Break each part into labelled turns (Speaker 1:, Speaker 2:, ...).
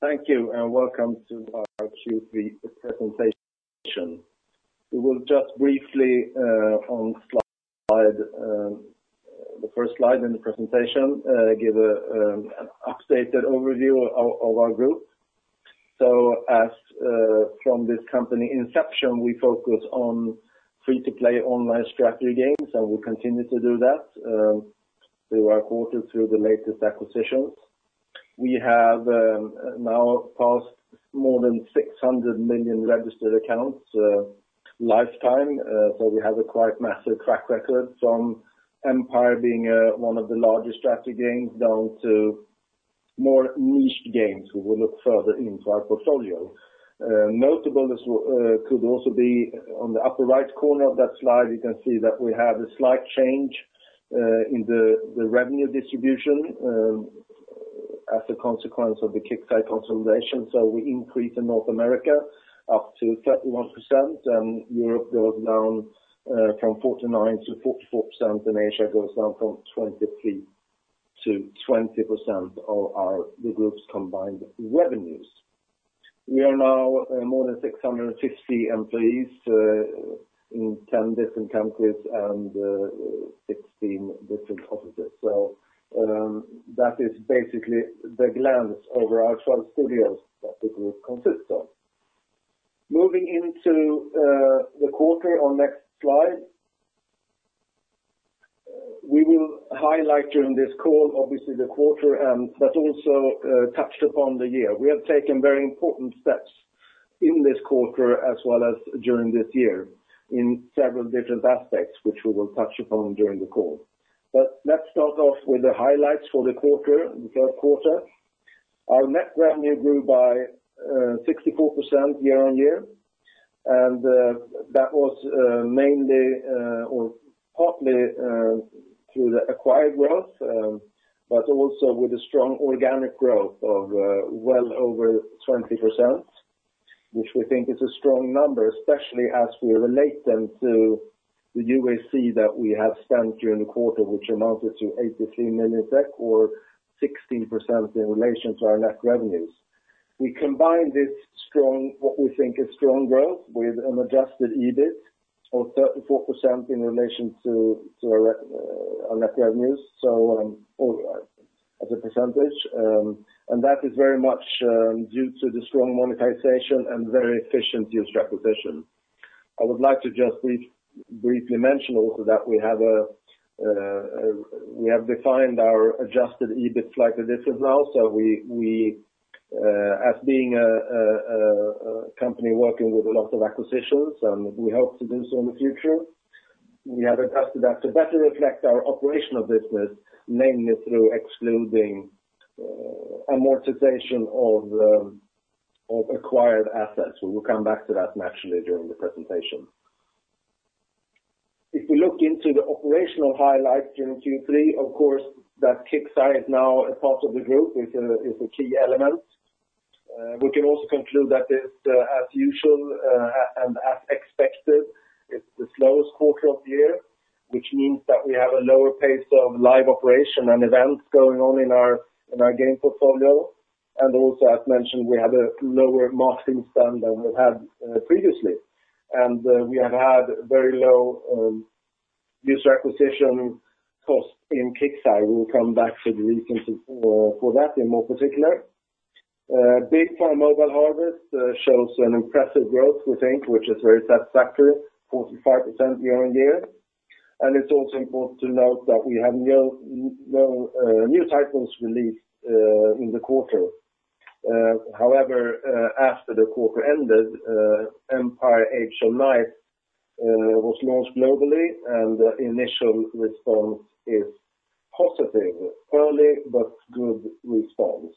Speaker 1: Thank you, and welcome to our Q3 presentation. We will just briefly on the first slide in the presentation give an updated overview of our group. As from this company inception, we focus on free-to-play online strategy games, and we continue to do that through our quarter through the latest acquisitions. We have now passed more than 600 million registered accounts lifetime, so we have a quite massive track record from Empire being one of the largest strategy games down to more niche games. We will look further into our portfolio. Notable could also be on the upper right corner of that slide, you can see that we have a slight change in the revenue distribution as a consequence of the KIXEYE consolidation. We increase in North America up to 31%, and Europe goes down from 49 to 44%, and Asia goes down from 23 to 20% of the group's combined revenues. We are now more than 650 employees in 10 different countries and 16 different offices. That is basically the glance over our 12 studios that the group consists of. Moving into the quarter on next slide. We will highlight during this call, obviously the quarter but also touched upon the year. We have taken very important steps in this quarter as well as during this year in several different aspects, which we will touch upon during the call. Let's start off with the highlights for the Q3. Our net revenue grew by 64% year-on-year. That was mainly or partly through the acquired growth, but also with the strong organic growth of well over 20%, which we think is a strong number, especially as we relate them to the UAC that we have spent during the quarter, which amounted to 83 million SEK or 16% in relation to our net revenues. We combine this, what we think is strong growth with an adjusted EBIT of 34% in relation to our net revenues, as a percentage. That is very much due to the strong monetization and very efficient user acquisition. I would like to just briefly mention also that we have defined our adjusted EBIT slightly different now. As being a company working with a lot of acquisitions, and we hope to do so in the future, we have adjusted that to better reflect our operational business, mainly through excluding amortization of acquired assets. We will come back to that naturally during the presentation. If we look into the operational highlights during Q3, of course, that KIXEYE is now a part of the group is a key element. We can also conclude that it's as usual, and as expected, it's the slowest quarter of the year, which means that we have a lower pace of live operation and events going on in our game portfolio. Also, as mentioned, we have a lower marketing spend than we've had previously. We have had very low user acquisition cost in KIXEYE. We'll come back to the reasons for that in more particular. BIG FARM: Mobile Harvest shows an impressive growth, we think, which is very satisfactory, 45% year-on-year. It's also important to note that we have no new titles released in the quarter. However, after the quarter ended, EMPIRE: Age of Knights was launched globally, and the initial response is positive. Early but good response.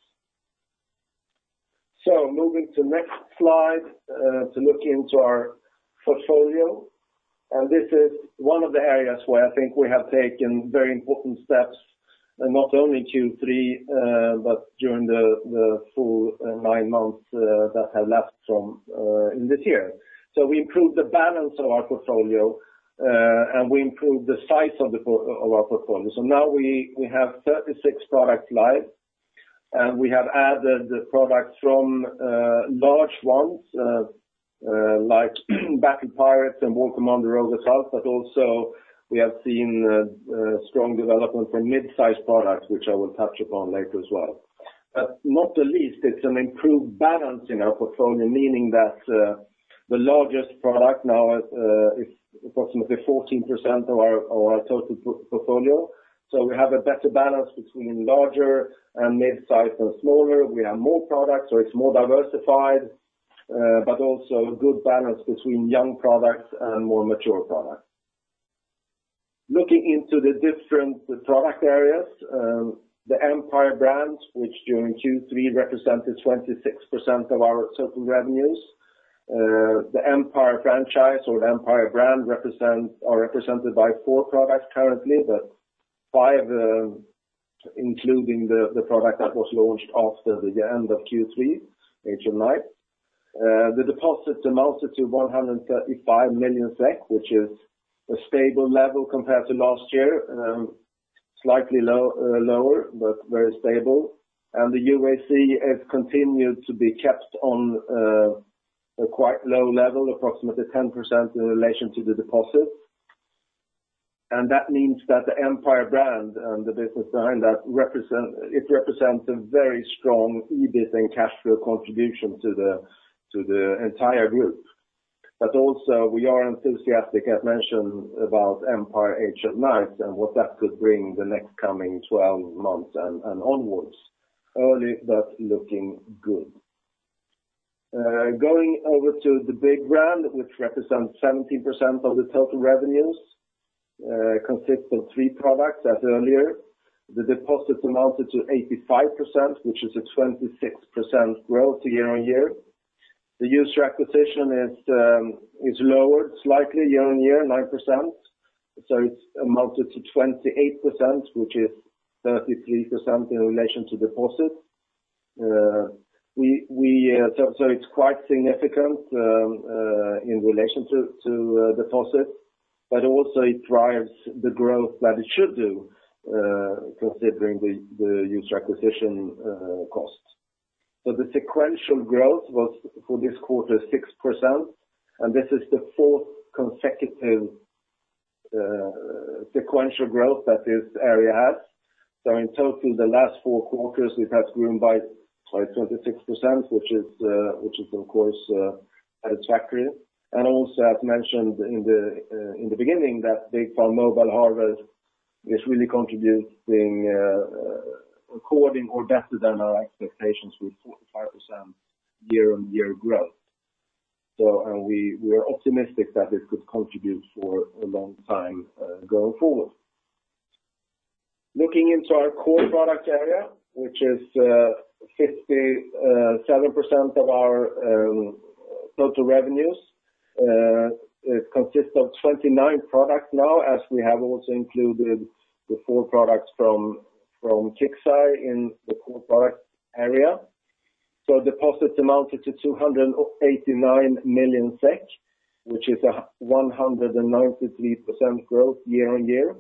Speaker 1: So moving to next slide to look into our portfolio. This is one of the areas where I think we have taken very important steps, not only in Q3, but during the full nine months that are left in this year. We improved the balance of our portfolio, and we improved the size of our portfolio. Now we have 36 products live, and we have added the products from large ones like Battle Pirates and War Commander: Rogue Assault, but also we have seen a strong development for mid-size products, which I will touch upon later as well. Not the least, it's an improved balance in our portfolio, meaning that the largest product now is approximately 14% of our total portfolio. We have a better balance between larger and mid-size and smaller. We have more products, so it's more diversified, but also a good balance between young products and more mature products. Looking into the different product areas, the Empire brands, which during Q3 represented 26% of our total revenues. The Empire franchise or the Empire brand are represented by four products currently, but five including the product that was launched after the end of Q3, EMPIRE: Age of Knights. The deposits amounted to 135 million SEK, which is a stable level compared to last year, slightly lower, but very stable. The UAC has continued to be kept on a quite low level, approximately 10% in relation to the deposits. That means that the Empire brand and the business behind that, it represents a very strong EBIT and cash flow contribution to the entire group. Also we are enthusiastic, as mentioned, about EMPIRE: Age of Knights and what that could bring the next coming 12 months and onwards. Early, that's looking good. Going over to the Big Farm brand, which represents 70% of the total revenues, consists of three products as earlier. The deposits amounted to 85%, which is a 26% growth year-on-year. The user acquisition is lower slightly year-on-year, 9%. It's amounted to 28%, which is 33% in relation to deposits. It's quite significant in relation to deposits, but also it drives the growth that it should do, considering the user acquisition costs. The sequential growth was, for this quarter, 6%, and this is the fourth consecutive sequential growth that this area has. In total, the last four quarters, we've had grown by 26%, which is of course satisfactory. Also as mentioned in the beginning that Big Farm Mobile Harvest is really contributing according or better than our expectations with 45% year-on-year growth. We are optimistic that this could contribute for a long time going forward. Looking into our core product area, which is 57% of our total revenues, consists of 29 products now, as we have also included the four products from KIXEYE in the core product area. Deposits amounted to 289 million SEK, which is a 193% growth year-on-year.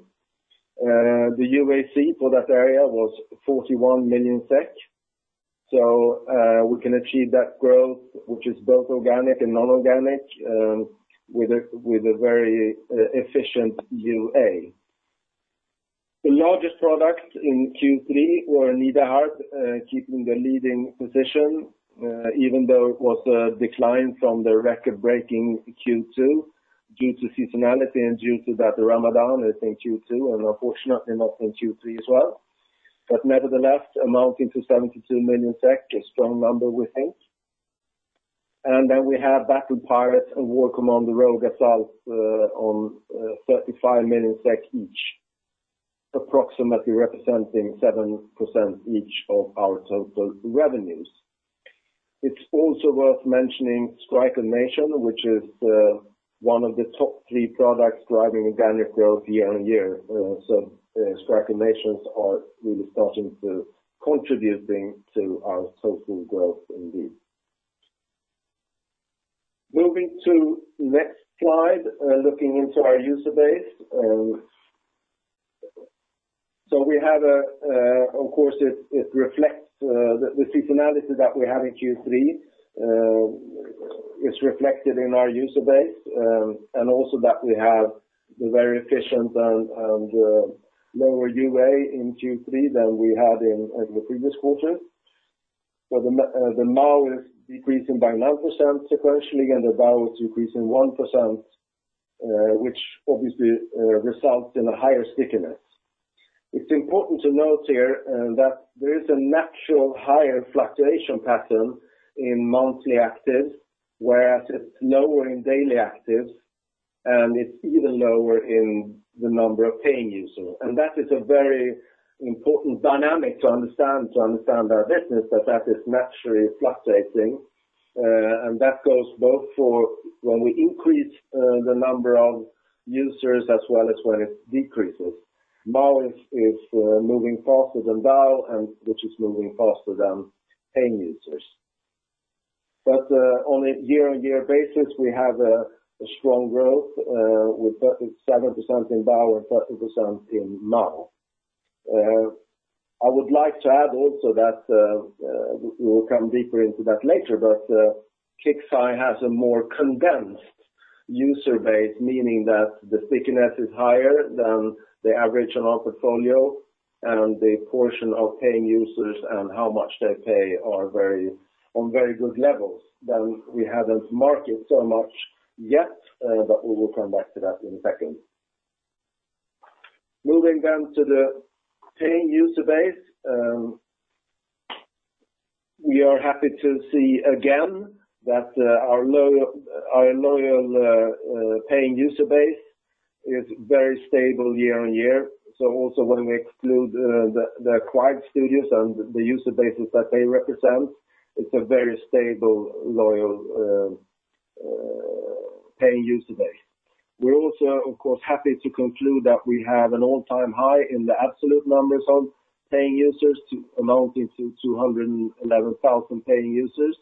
Speaker 1: The UAC for that area was 41 million SEK. We can achieve that growth, which is both organic and non-organic, with a very efficient UA. The largest products in Q3 were Nida Harb, keeping the leading position, even though it was a decline from the record-breaking Q2 due to seasonality and due to that Ramadan is in Q2 and unfortunately not in Q3 as well. Nevertheless, amounting to 72 million, a strong number we think. Then we have Battle Pirates and War Commander: Rogue Assault on SEK 35 million each, approximately representing 7% each of our total revenues. It's also worth mentioning Strike of Nations, which is one of the top three products driving organic growth year-on-year. Strike of Nations are really starting to contributing to our total growth indeed. Moving to next slide, looking into our user base. So we have, of course, it reflects the seasonality that we have in Q3, it's reflected in our user base, and also that we have the very efficient and lower UA in Q3 than we had in the previous quarters, where the MAU is decreasing by 9% sequentially, and the BAU is decreasing 1%, which obviously results in a higher stickiness. It's important to note here that there is a natural higher fluctuation pattern in monthly actives, whereas it's lower in daily actives, and it's even lower in the number of paying users. That is a very important dynamic to understand our business, that is naturally fluctuating. That goes both for when we increase the number of users as well as when it decreases. MAU is moving faster than BAU, which is moving faster than paying users. On a year-on-year basis, we have a strong growth with 37% in BAU and 30% in MAU. I would like to add also that we'll come deeper into that later, KIXEYE has a more condensed user base, meaning that the stickiness is higher than the average on our portfolio, and the portion of paying users and how much they pay are on very good levels than we have as market so much yet, we will come back to that in a second. Moving down to the paying user base. We are happy to see again that our loyal paying user base is very stable year-on-year. Also when we exclude the acquired studios and the user bases that they represent, it's a very stable, loyal paying user base. We're also, of course, happy to conclude that we have an all-time high in the absolute numbers of paying users amounting to 211,000 paying users,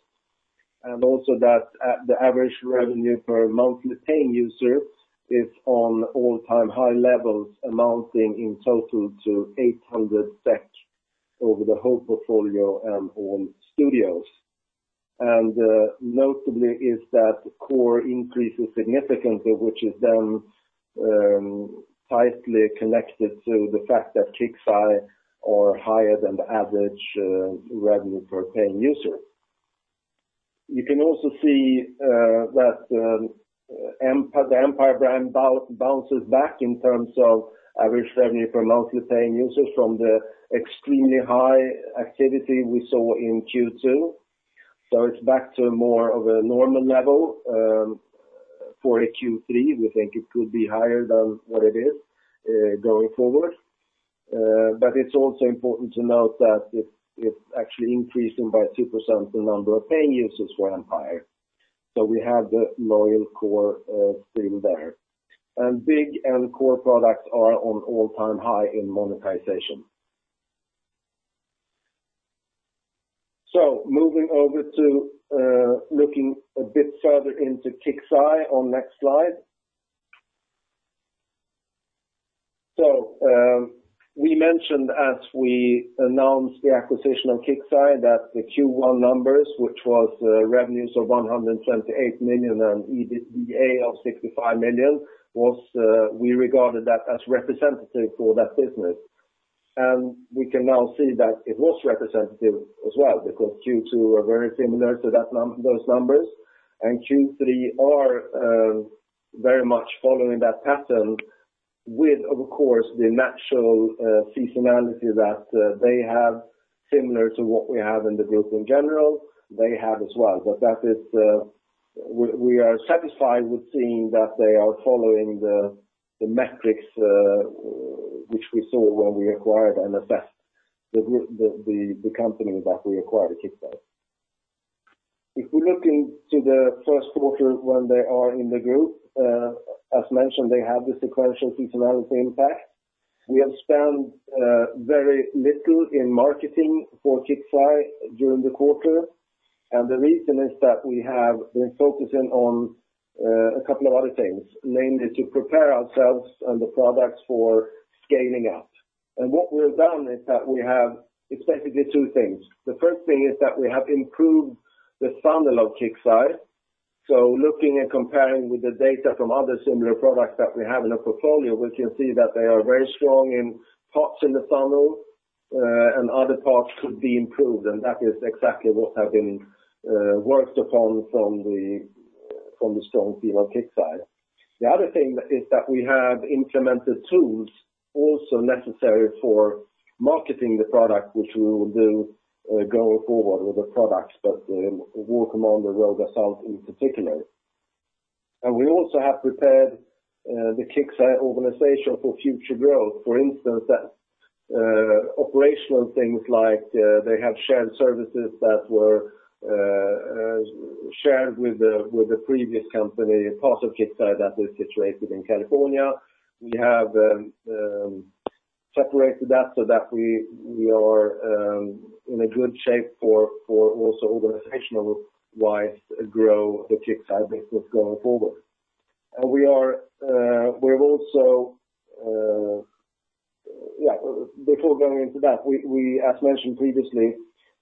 Speaker 1: and also that the average revenue per monthly paying user is on all-time high levels, amounting in total to 800 SEK over the whole portfolio and all studios. Notably is that core increase is significant, which is tightly connected to the fact that KIXEYE is higher than the average revenue per paying user. You can also see that the Empire brand bounces back in terms of average revenue per monthly paying users from the extremely high activity we saw in Q2. It's back to more of a normal level for a Q3. We think it could be higher than what it is going forward. It's also important to note that it's actually increasing by 2% the number of paying users for Empire. We have the loyal core still there. BIG and Core products are on all-time high in monetization. Moving over to looking a bit further into KIXEYE on next slide. So we mentioned as we announced the acquisition of KIXEYE that the Q1 numbers, which was revenues of 128 million and EBITDA of 65 million, we regarded that as representative for that business. We can now see that it was representative as well because Q2 are very similar to those numbers, and Q3 are very much following that pattern with, of course, the natural seasonality that they have similar to what we have in the group in general, they have as well. We are satisfied with seeing that they are following the metrics which we saw when we acquired and assessed the company that we acquired at KIXEYE. If we look into the Q1 when they are in the group, as mentioned, they have the sequential seasonality impact. We have spent very little in marketing for KIXEYE during the quarter, and the reason is that we have been focusing on a couple of other things, namely to prepare ourselves and the products for scaling up. What we've done is that we have, it's basically two things. The first thing is that we have improved the funnel of KIXEYE. Looking and comparing with the data from other similar products that we have in our portfolio, we can see that they are very strong in parts in the funnel, and other parts could be improved, and that is exactly what have been worked upon from the strong team on KIXEYE. The other thing is that we have implemented tools also necessary for marketing the product, which we will do going forward with the products, but War Commander: Rogue Assault in particular. And we also have prepared the KIXEYE organization for future growth. For instance, operational things like they have shared services that were shared with the previous company, part of KIXEYE that is situated in California. We have separated that so that we are in a good shape for also organizational-wise grow the KIXEYE business going forward. We are, we also, before going into that, as mentioned previously,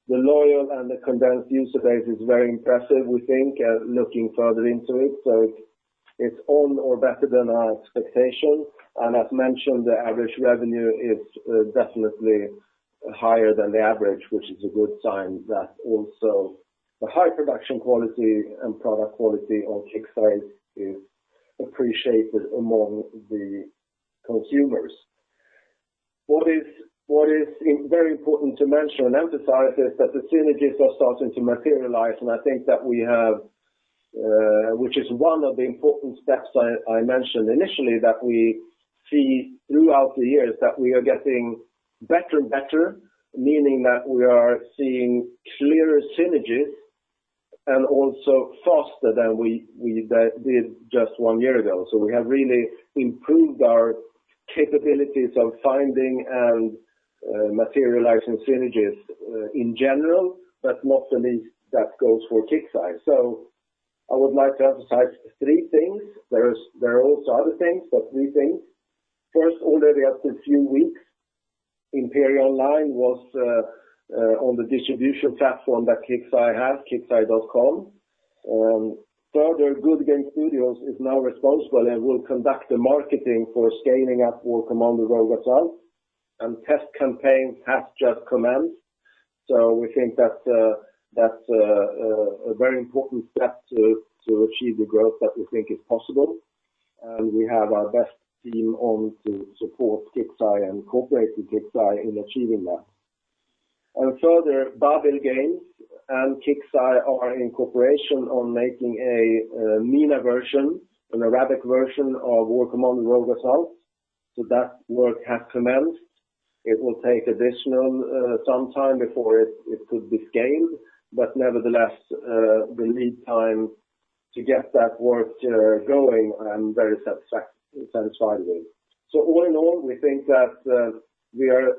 Speaker 1: the loyal and the condensed user base is very impressive, we think, looking further into it. It's on or better than our expectation. As mentioned, the average revenue is definitely higher than the average, which is a good sign that also the high production quality and product quality of KIXEYE is appreciated among the consumers. What is very important to mention and emphasize is that the synergies are starting to materialize, and I think that which is one of the important steps I mentioned initially, that we see throughout the years that we are getting better and better, meaning that we are seeing clearer synergies and also faster than we did just one year ago. We have really improved our capabilities of finding and materializing synergies in general, but not the least that goes for KIXEYE. So I would like to emphasize three things. There are also other things, but three things. First, already after a few weeks, Imperia Online was on the distribution platform that KIXEYE has, kixeye.com. Goodgame Studios is now responsible and will conduct the marketing for scaling up War Commander: Rogue Assault, and test campaigns have just commenced. We think that's a very important step to achieve the growth that we think is possible. We have our best team on to support KIXEYE and cooperate with KIXEYE in achieving that. Babil Games and KIXEYE are in cooperation on making a MENA version, an Arabic version of War Commander: Rogue Assault. That work has commenced. It will take additional some time before it could be gained, but nevertheless, we need time to get that work going and very satisfyingly. So all in all, we think that we are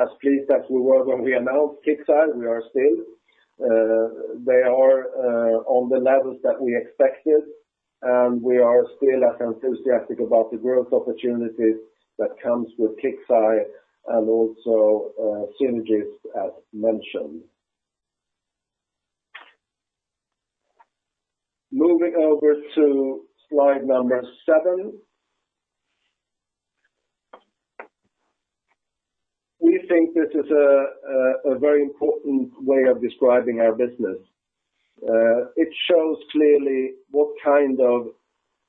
Speaker 1: as pleased as we were when we announced KIXEYE, we are still. They are on the levels that we expected, and we are still as enthusiastic about the growth opportunities that comes with KIXEYE and also synergies as mentioned. Moving over to slide number seven. We think this is a very important way of describing our business. It shows clearly what kind of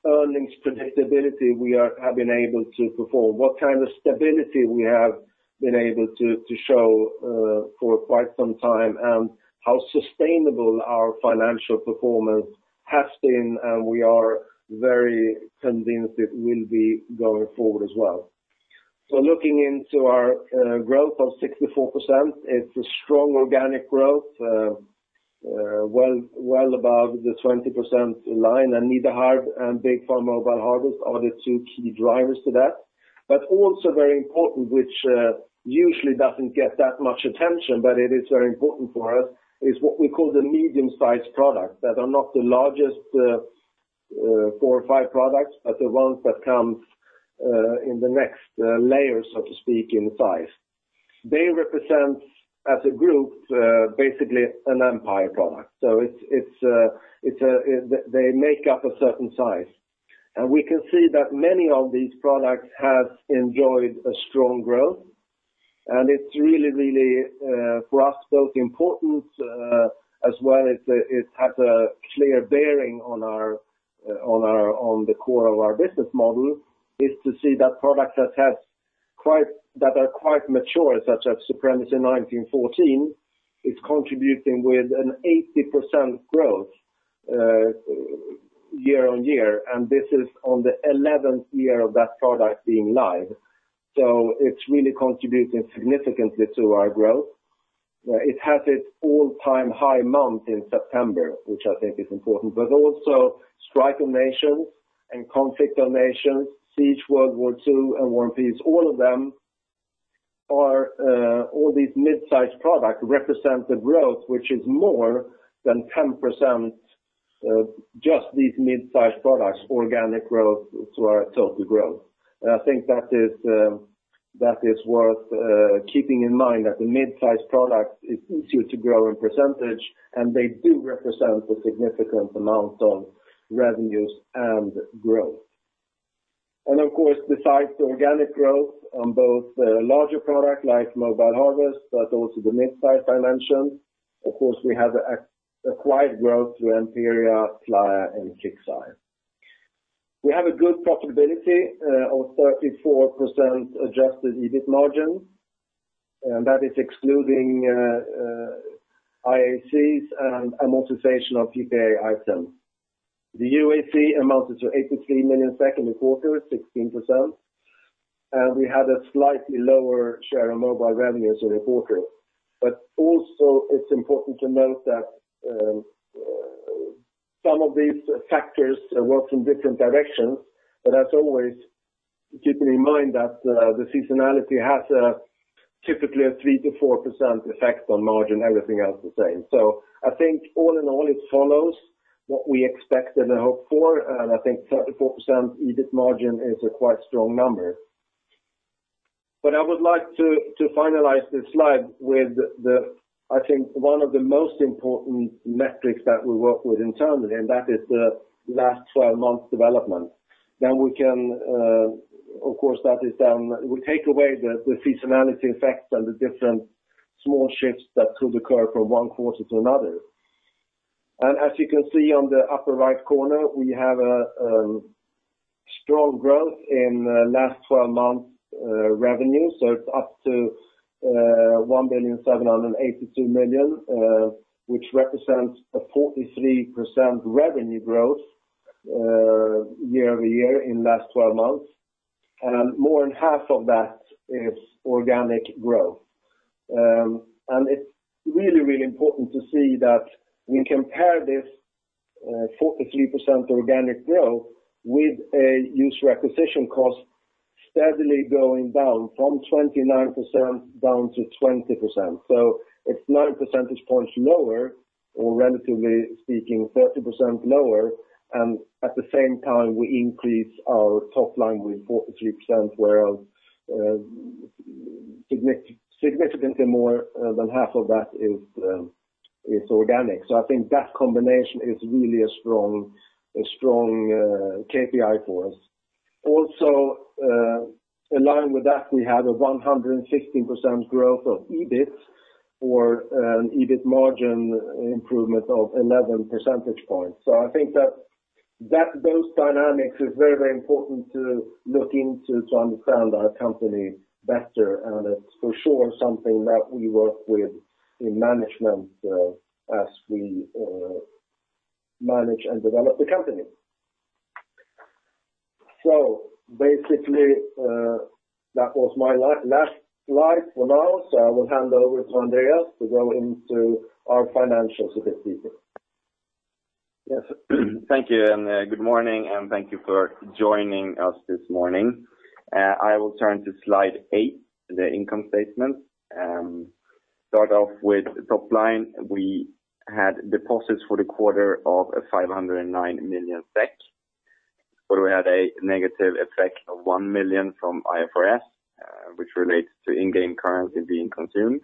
Speaker 1: earnings predictability we have been able to perform, what kind of stability we have been able to show for quite some time, and how sustainable our financial performance has been, and we are very convinced it will be going forward as well. Looking into our growth of 64%, it's a strong organic growth, well above the 20% line, and Nida Harb and BIG FARM: Mobile Harvest are the two key drivers to that. But also very important, which usually doesn't get that much attention, but it is very important for us, is what we call the medium-sized product, that are not the largest four or five products, but the ones that comes in the next layer, so to speak, in size. They represent, as a group, basically an Empire product. They make up a certain size. We can see that many of these products have enjoyed a strong growth. It's really, for us, both important, as well as it has a clear bearing on the core of our business model, is to see that product that are quite mature, such as Supremacy 1914, is contributing with an 80% growth year-over-year, and this is on the 11th year of that product being live. It's really contributing significantly to our growth. It has its all-time high month in September, which I think is important. Strike of Nations and Conflict of Nations, Siege World War II, and One Piece, all of them, all these mid-size products represent the growth, which is more than 10% of just these mid-size products, organic growth to our total growth. I think that is worth keeping in mind, that the mid-size products is easier to grow in percentage, and they do represent a significant amount of revenues and growth. Besides the organic growth on both the larger product like Mobile Harvest, but also the mid-size I mentioned, we have acquired growth through eRepublik, Playa Games, and KIXEYE. We have a good profitability of 34% adjusted EBIT margin, and that is excluding IACs and amortization of PPA items. The UAC amounted to 83 million Q2, 16%, and we had a slightly lower share of mobile revenues in the quarter. But also, it's important to note that some of these factors work in different directions, but as always, keeping in mind that the seasonality has a typically a 3% to 4% effect on margin, everything else the same. I think all in all, it follows what we expected and hoped for, and I think 34% EBIT margin is a quite strong number. I would like to finalize this slide with the, I think, one of the most important metrics that we work with internally, and that is the last 12 months development. Of course, that is then we take away the seasonality effects and the different small shifts that could occur from one quarter to another. As you can see on the upper right corner, we have a strong growth in last 12 months revenue. It is up to 1,782,000,000, which represents a 43% revenue growth year-over-year in last 12 months. More than half of that is organic growth. It is really important to see that we compare this 43% organic growth with a user acquisition cost steadily going down from 29% down to 20%. It is nine percentage points lower or relatively speaking, 30% lower, and at the same time, we increase our top line with 43%, where significantly more than half of that is organic. I think that combination is really a strong KPI for us. Also, along with that we had a 116% growth of EBIT or an EBIT margin improvement of 11 percentage points. I think that those dynamics is very important to look into to understand our company better, and it's for sure something that we work with in management as we manage and develop the company. So basically, that was my last slide for now. I will hand over to Andreas to go into our financials a bit deeper.
Speaker 2: Yes. Thank you. Good morning, and thank you for joining us this morning. I will turn to slide eight the income statement. Start off with top line. We had deposits for the quarter of 509 million SEK, where we had a negative effect of 1 million from IFRS, which relates to in-game currency being consumed.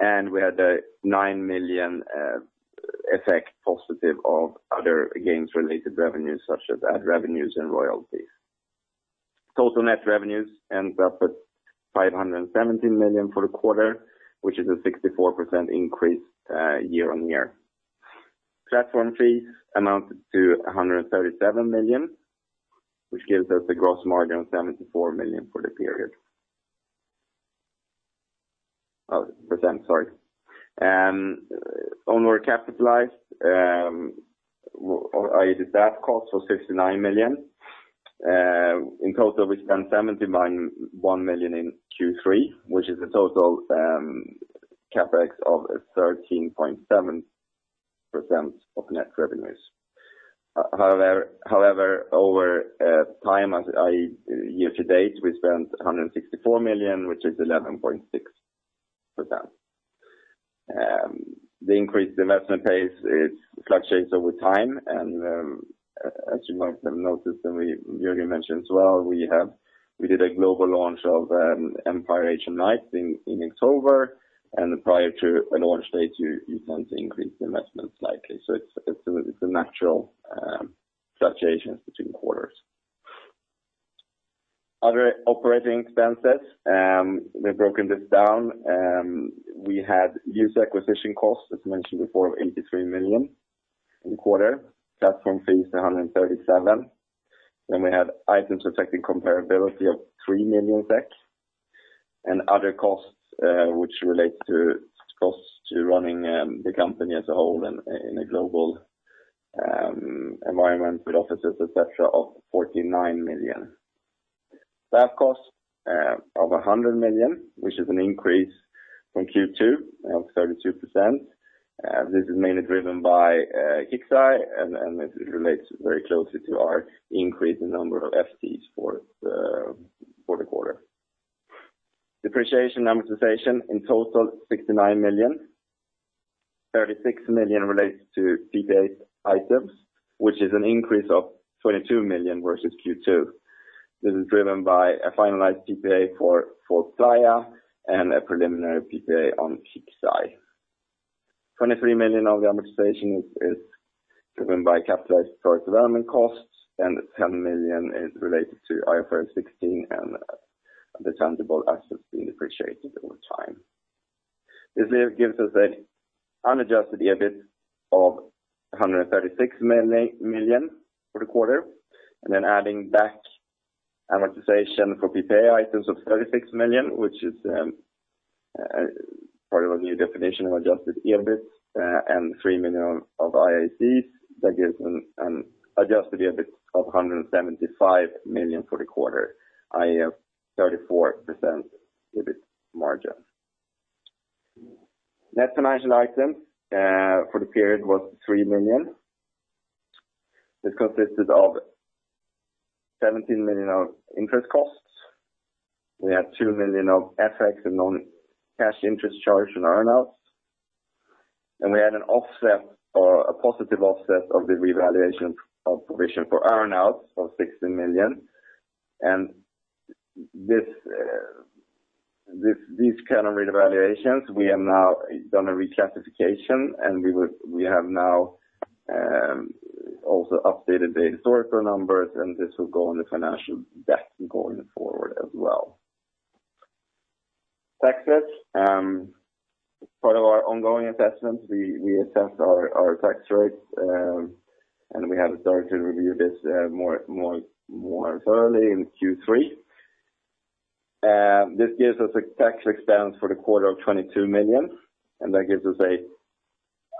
Speaker 2: We had a 9 million effect positive of other games related revenues such as ad revenues and royalties. Total net revenues ends up at 517 million for the quarter, which is a 64% increase year-on-year. Platform fees amounted to 137 million, which gives us a gross margin of 74 million for the period. Percent, sorry. Onward capitalized, i.e., the staff cost of 69 million. In total, we spent 71 million in Q3, which is a total CapEx of 13.7% of net revenues. However, over time, as i.e., year to date, we spent 164 million, which is 11.6%. The increased investment pace, it fluctuates over time, and as you might have noticed and Jorgen mentioned as well, we did a global launch of EMPIRE: Age of Knights in October and prior to a launch date, you tend to increase the investments likely. It's a natural fluctuations between quarters. Other operating expenses, we've broken this down. We had User Acquisition Costs, as mentioned before, of 83 million in quarter. Platform fees, 137 million. We have Items Affecting Comparability of 3 million SEK and other costs, which relate to costs to running the company as a whole in a global environment with offices, et cetera, of 49 million. Staff cost of 100 million, which is an increase from Q2 of 32%. This is mainly driven by KIXEYE, and it relates very closely to our increase in number of FTEs for the quarter. Depreciation amortization in total, 69 million. 36 million relates to PPA items, which is an increase of 22 million versus Q2. This is driven by a finalized PPA for Playa and a preliminary PPA on KIXEYE. 23 million of the amortization is driven by capitalized product development costs, and 10 million is related to IFRS 16 and the tangible assets being depreciated over time. This gives us an unadjusted EBIT of 136 million for the quarter, and then adding back amortization for PPA items of 36 million, which is part of a new definition of adjusted EBIT and 3 million of IACs. That gives an adjusted EBIT of 175 million for the quarter, i.e., 34% EBIT margin. Net financial items for the period was 3 million. This consisted of 17 million of interest costs. We had 2 million of FX and non-cash interest charged on earn-outs. We had an offset or a positive offset of the revaluation of provision for earn-outs of 16 million. These kind of revaluations, we have now done a reclassification, and we have now also updated the historical numbers, this will go in the financial deck going forward as well. Taxes, part of our ongoing assessments, we assess our tax rates, we have started to review this more thoroughly in Q3. This gives us a tax expense for the quarter of 22 million, that gives us an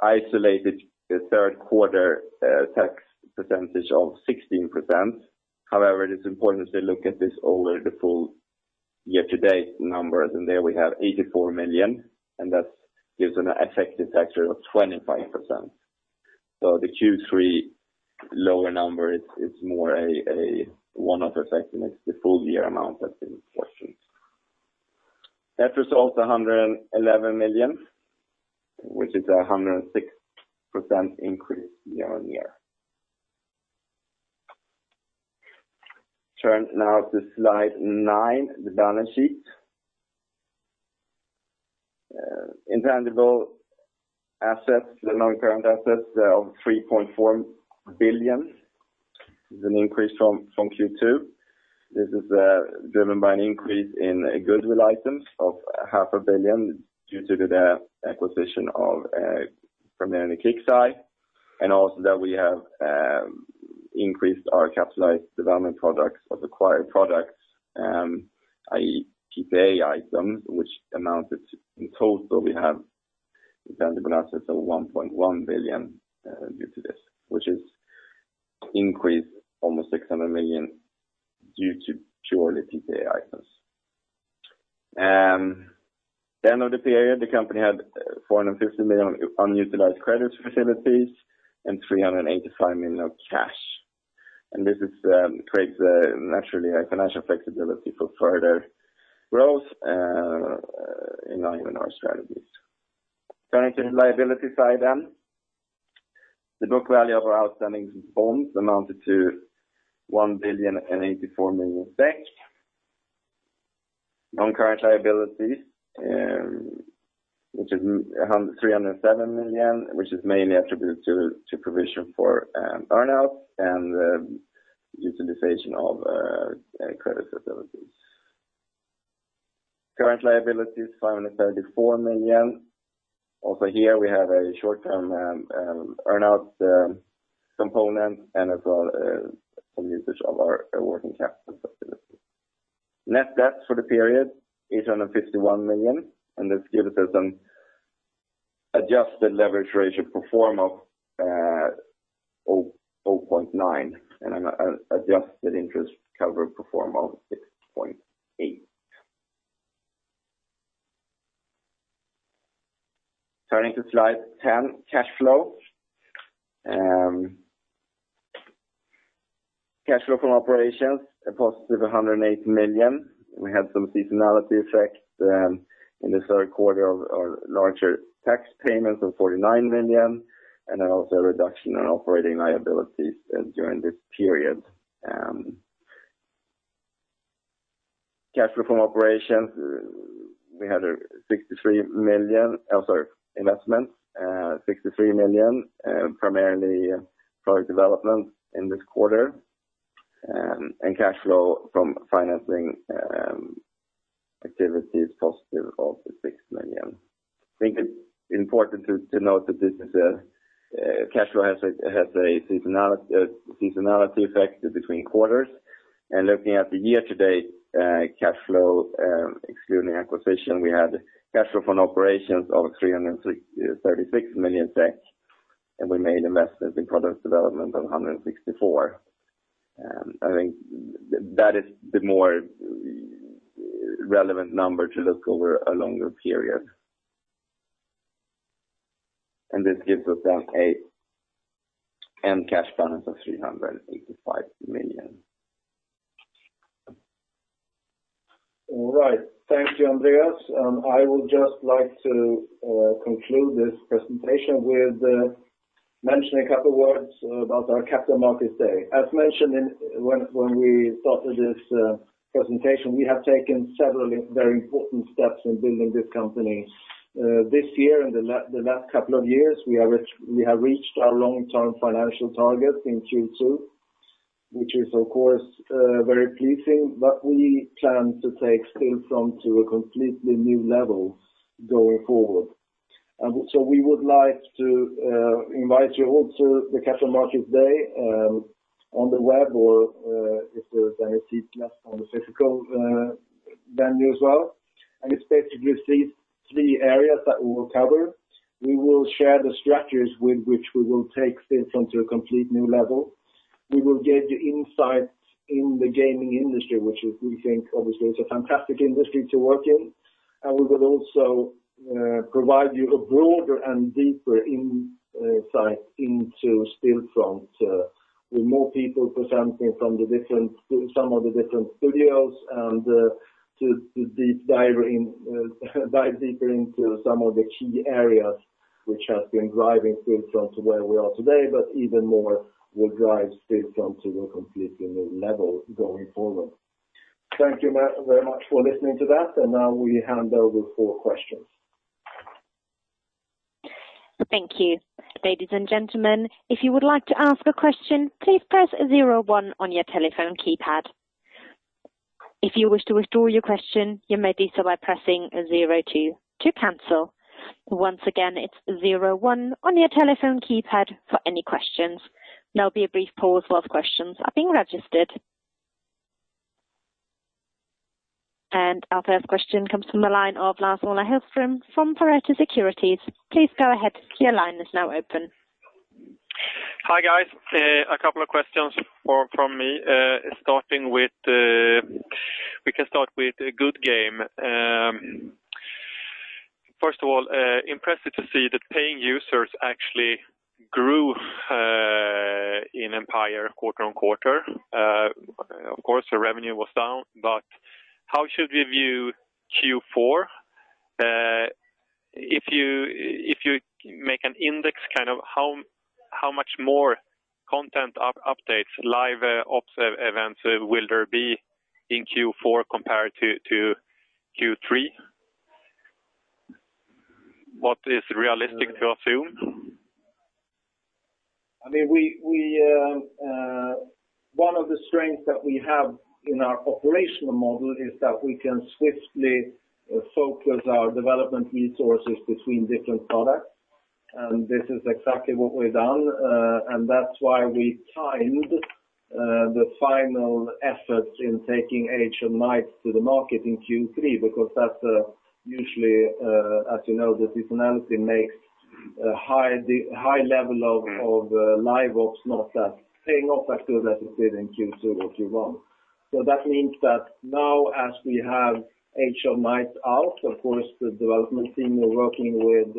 Speaker 2: isolated Q3 tax percentage of 16%. However, it is important to look at this over the full year to date numbers, there we have 84 million, that gives an effective tax rate of 25%. So the Q3 lower number it's more a one-off effect, and it's the full year amount that's in question. Net result, SEK 111 million, which is 106% increase year-on-year. Turn now to slide nine, the balance sheet. Intangible assets, the non-current assets of 3.4 billion is an increase from Q2. This is driven by an increase in goodwill items of SEK half a billion due to the acquisition of primarily KIXEYE, and also that we have increased our capitalized development products of acquired products, i.e., PPA items, which amounted to, in total we have intangible assets of 1.1 billion due to this, which has increased almost 600 million due to purely PPA items. At the end of the period, the company had 450 million unutilized credit facilities and 385 million of cash. This creates naturally a financial flexibility for further growth in line with our strategies. Turning to the liability side then. The book value of our outstanding bonds amounted to 1 billion 84 million. Non-current liabilities, 307 million, mainly attributed to provision for earn-out and the utilization of credit facilities. Current liabilities 534 million. Also here we have a short-term earn-out component and as well some usage of our working capital facilities. Net debt for the period, 851 million. This gives us an adjusted leverage ratio pro forma of zero point nine, and an adjusted interest cover pro forma of six point eight. Turning to slide 10, cash flow. Cash flow from operations, a positive 180 million. We had some seasonality effects there in this Q3 of our larger tax payments of 49 million. And also a reduction in operating liabilities during this period, we had $63 million of our investments, 63 million, primarily product development in this quarter. Cash flow from financing activities positive of 6 million. I think it's important to note that cash flow has a seasonality effect between quarters. Looking at the year-to-date cash flow excluding acquisition, we had cash flow from operations of 336 million, and we made investments in product development of 164 million. I think that is the more relevant number to look over a longer period. This gives us an end cash balance of SEK 385 million.
Speaker 1: All right. Thank you, Andreas. I would just like to conclude this presentation with mentioning a couple words about our Capital Markets Day. As mentioned when we started this presentation, we have taken several very important steps in building this company. This year and the last couple of years, we have reached our long-term financial targets in Q2, which is of course very pleasing. We plan to take Stillfront to a completely new level going forward. We would like to invite you all to the Capital Markets Day on the web or if there's any seat left on the physical venue as well. It's basically these three areas that we will cover. We will share the strategies with which we will take Stillfront to a complete new level. We will get you insights in the gaming industry, which we think obviously is a fantastic industry to work in. We will also provide you a broader and deeper insight into Stillfront with more people presenting from some of the different studios and to dive deeper into some of the key areas which have been driving Stillfront to where we are today, but even more will drive Stillfront to a completely new level going forward. Thank you very much for listening to that, and now we hand over for questions.
Speaker 3: Thank you. Ladies and gentlemen, if you would like to ask a question, please press zero one on your telephone keypad. If you wish to withdraw your question, you may do so by pressing zero two to cancel. Once again, it's zero one on your telephone keypad for any questions. There'll be a brief pause while questions are being registered. Our first question comes from the line of Lars Wallin Hultgren from Berenberg Securities. Please go ahead, your line is now open.
Speaker 4: Hi, guys. A couple of questions from me, we can start with Goodgame. First of all, impressive to see the paying users actually grew in Empire quarter-on-quarter. Of course, the revenue was down. How should we view Q4? If you make an index, how much more content updates, live ops events will there be in Q4 compared to Q3? What is realistic to assume?
Speaker 1: One of the strengths that we have in our operational model is that we can swiftly focus our development resources between different products, and this is exactly what we've done. That's why we timed the final efforts in taking Age of Knights to the market in Q3 because that's usually, as you know, the seasonality makes a high level of live ops not paying off as good as it did in Q2 or Q1. That means that now as we have Age of Knights out, of course, the development team are working with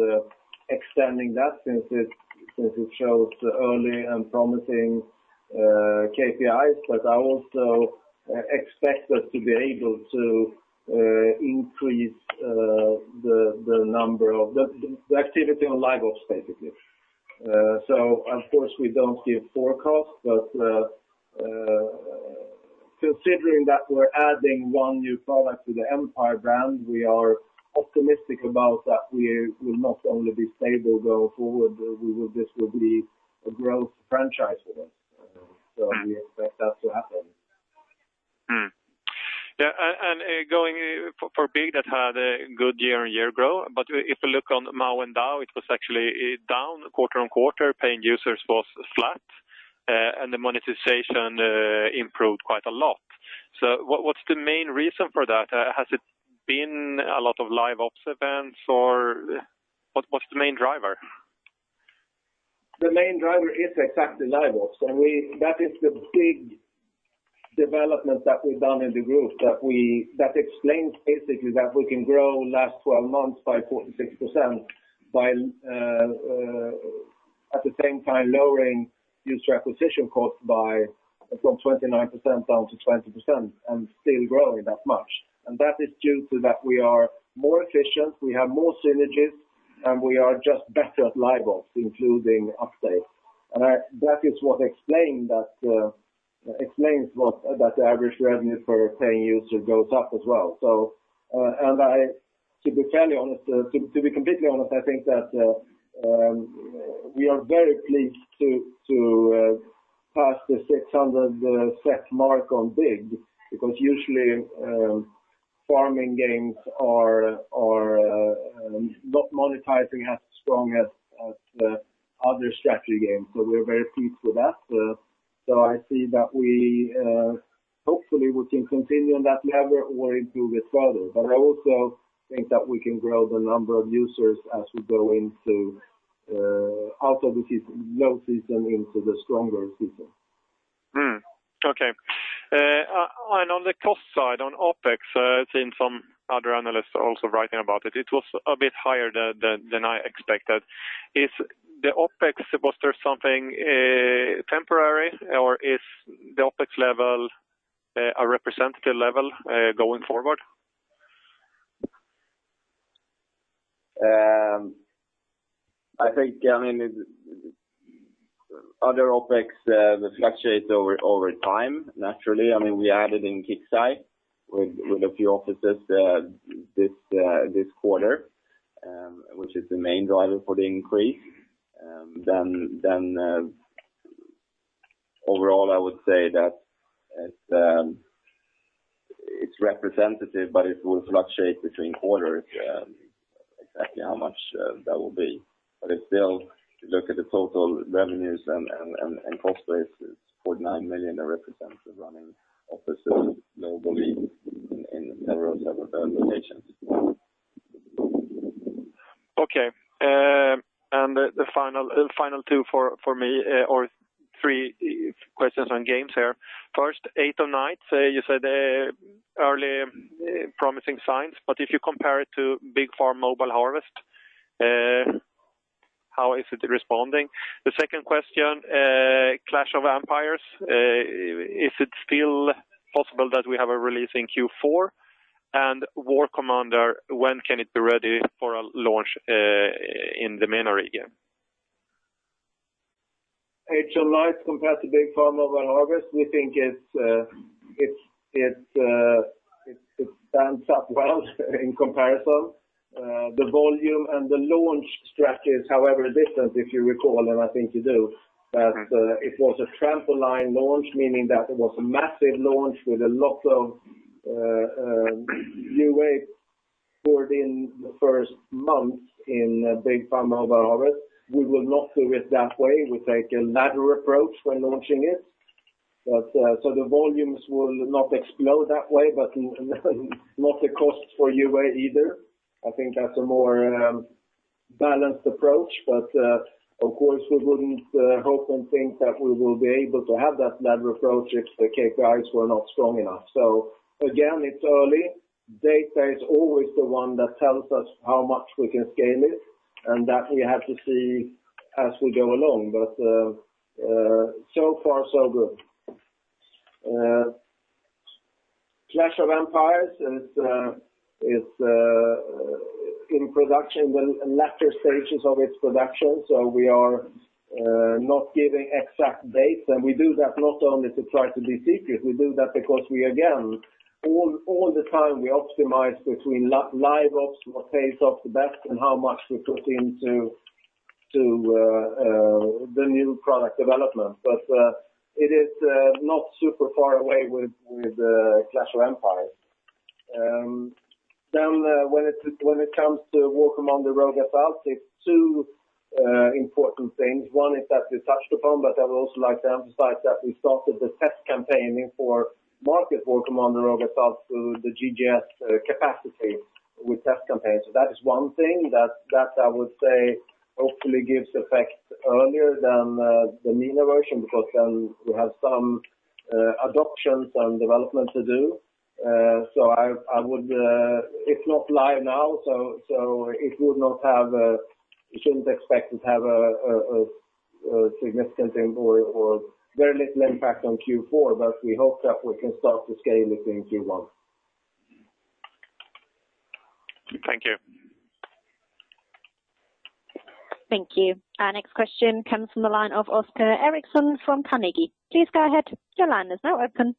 Speaker 1: extending that since it shows early and promising KPIs. I also expect us to be able to increase the activity on live ops, basically. Of course, we don't give forecasts, but considering that we're adding one new product to the Empire brand, we are optimistic about that we will not only be stable going forward, this will be a growth franchise for us. We expect that to happen.
Speaker 4: Going for Big Farm that had a good year-on-year growth. If you look on MAU and DAU, it was actually down quarter-on-quarter, paying users was flat, and the monetization improved quite a lot. What's the main reason for that? Has it been a lot of live ops events, or what's the main driver?
Speaker 1: The main driver is exactly live ops, that is the big development that we've done in the group. That explains basically that we can grow last 12 months by 46% while at the same time lowering user acquisition costs from 29% down to 20% still growing that much. That is due to that we are more efficient, we have more synergies, we are just better at live ops, including updates. That is what explains that the average revenue per paying user goes up as well. To be completely honest, I think that we are very pleased to pass the 600 mark on Big because usually farming games are not monetizing as strong as the other strategy games, we're very pleased with that. I see that hopefully we can continue on that level or improve it further. I also think that we can grow the number of users as we go out of the low season into the stronger season.
Speaker 4: Okay. On the cost side, on OpEx, I've seen some other analysts also writing about it. It was a bit higher than I expected. Is the OpEx, was there something temporary, or is the OpEx level a representative level going forward?
Speaker 1: I think other OpEx fluctuates over time, naturally. We added in KIXEYE with a few offices this quarter, which is the main driver for the increase. Overall, I would say that it's representative, but it will fluctuate between quarters exactly how much that will be. Still, if you look at the total revenues and cost base, it's 49 million that represents the running offices globally in several locations.
Speaker 4: Okay. The final two for me, or three questions on games here. First, Age of Knights, you said early promising signs, but if you compare it to BIG FARM: Mobile Harvest, how is it responding? The second question, Clash of Empires, is it still possible that we have a release in Q4? War Commander, when can it be ready for a launch in the main region?
Speaker 1: Age of Knights compared to BIG FARM: Mobile Harvest, we think it stands up well in comparison. The volume and the launch strategies, however, are different, if you recall, and I think you do, that it was a trampoline launch, meaning that it was a massive launch with a lot of UA poured in the first month in BIG FARM: Mobile Harvest. We will not do it that way. We take a ladder approach when launching it. The volumes will not explode that way, but not the cost for UA either. I think that's a more balanced approach, but of course, we wouldn't hope and think that we will be able to have that ladder approach if the KPIs were not strong enough. Again, it's early. Data is always the one that tells us how much we can scale it, and that we have to see as we go along. So far so good. Clash of Empires is in production, in latter stages of its production, so we are not giving exact dates, and we do that not only to try to be secret, we do that because we, again, all the time we optimize between live ops, what pays off the best, and how much we put into the new product development. It is not super far away with Clash of Empires. When it comes to War Commander: Rogue Assault, it's two important things. One is that we touched upon, but I would also like to emphasize that we started the test campaigning for War Commander: Rogue Assault through the GGS capacity with test campaigns. That is one thing that I would say hopefully gives effect earlier than the MENA version, because then we have some adoption, some development to do. It's not live now, so you shouldn't expect it to have a significant impact or very little impact on Q4, but we hope that we can start to scale it in Q1.
Speaker 4: Thank you.
Speaker 3: Thank you. Our next question comes from the line of Oscar Erixon from Carnegie. Please go ahead. Your line is now open.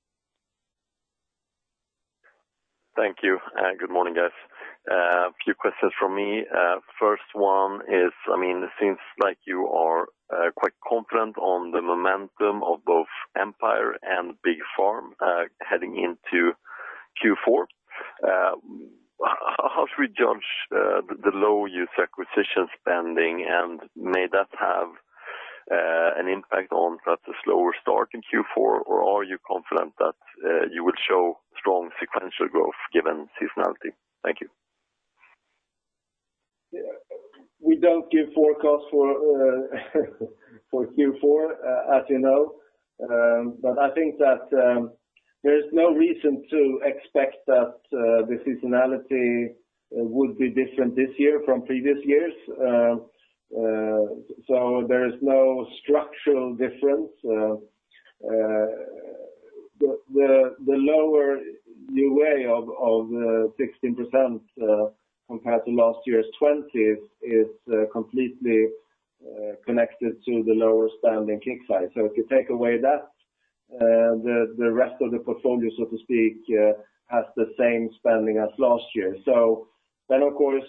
Speaker 5: Thank you. Good morning, guys. A few questions from me. First one is, it seems like you are quite confident on the momentum of both Empire and Big Farm, heading into Q4. How should we judge the low user acquisition spending, and may that have an impact on such a slower start in Q4? Are you confident that you will show strong sequential growth given seasonality? Thank you.
Speaker 1: We don't give forecasts for Q4, as you know, but I think that there is no reason to expect that the seasonality would be different this year from previous years. There is no structural difference. The lower UA of 16% compared to last year's 20% is completely connected to the lower spending KIXEYE. If you take away that, the rest of the portfolio, so to speak, has the same spending as last year. So of course,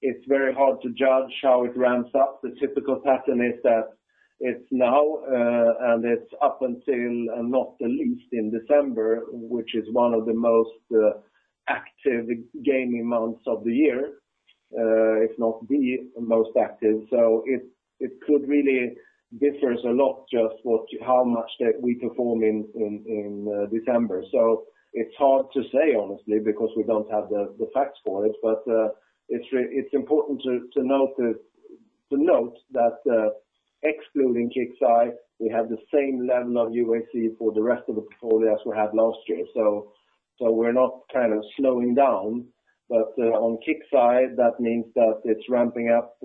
Speaker 1: it's very hard to judge how it ramps up. The typical pattern is that it's now, and it's up until not the least in December, which is one of the most active gaming months of the year, if not the most active. It could really differs a lot just how much that we perform in December. So it's hard to say, honestly, because we don't have the facts for it. It's important to note that excluding KIXEYE, we have the same level of UAC for the rest of the portfolio as we had last year. We're not slowing down, but on KIXEYE, that means that it's ramping up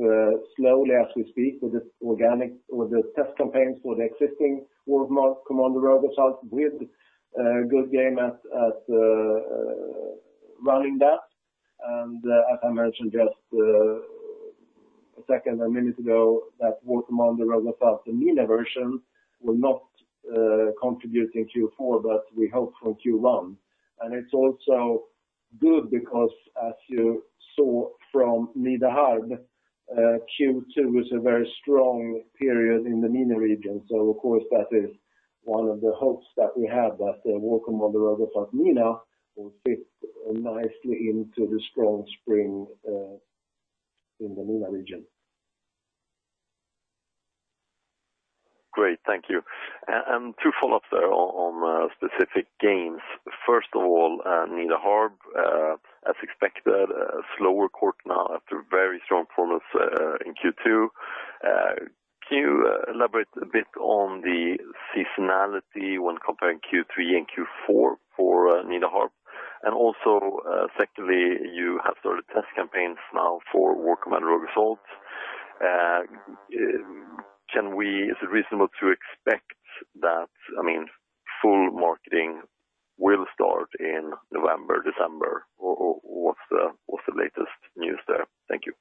Speaker 1: slowly as we speak with the test campaigns for the existing War Commander: Rogue Assault with Goodgame at running that. As I mentioned just a second, a minute ago, that War Commander: Rogue Assault, the MENA version will not contribute in Q4, but we hope from Q1. It's also good because as you saw from Nida Harb, Q2 is a very strong period in the MENA region. Of course, that is one of the hopes that we have that War Commander: Rogue Assault MENA will fit nicely into the strong spring in the MENA region.
Speaker 5: Great. Thank you. Two follow-ups there on specific games. First of all, Nida Harb, as expected, a slower quarter now after very strong performance in Q2. Can you elaborate a bit on the seasonality when comparing Q3 and Q4 for Nida Harb? Also, secondly, you have started test campaigns now for War Commander: Rogue Assault. Is it reasonable to expect that full marketing will start in November, December, or what's the latest news there? Thank you.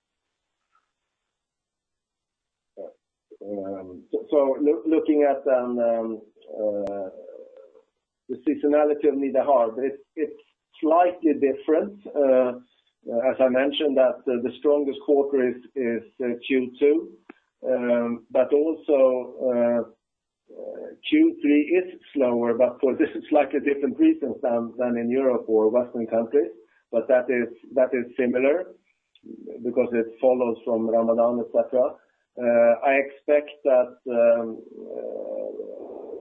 Speaker 1: So looking at the seasonality of Nida Harb, it's slightly different. As I mentioned that the strongest quarter is Q2. Also Q3 is slower, but for slightly different reasons than in Europe or Western countries. That is similar because it follows from Ramadan, et cetera. I expect that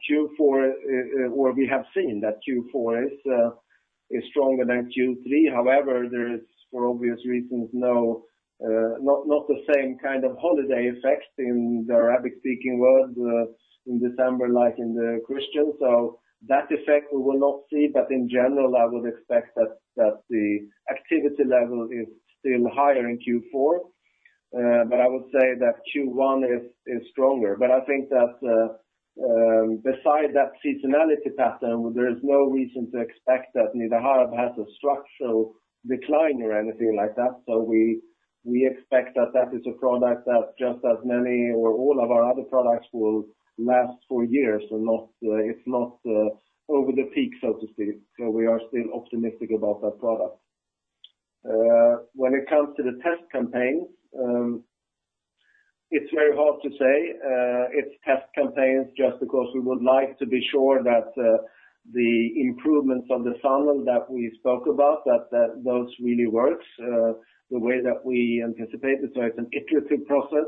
Speaker 1: Q4, or we have seen that Q4 is stronger than Q3. However, there is, for obvious reasons, not the same kind of holiday effects in the Arabic-speaking world in December like in the Christian. That effect we will not see. In general, I would expect that the activity level is still higher in Q4. I would say that Q1 is stronger. I think that besides that seasonality pattern, there is no reason to expect that Nida Harb has a structural decline or anything like that. We expect that that is a product that just as many or all of our other products will last for years. It's not over the peak, so to speak. We are still optimistic about that product. When it comes to the test campaigns, it's very hard to say. It's test campaigns just because we would like to be sure that the improvements on the funnel that we spoke about, that those really works the way that we anticipate it. It's an iterative process.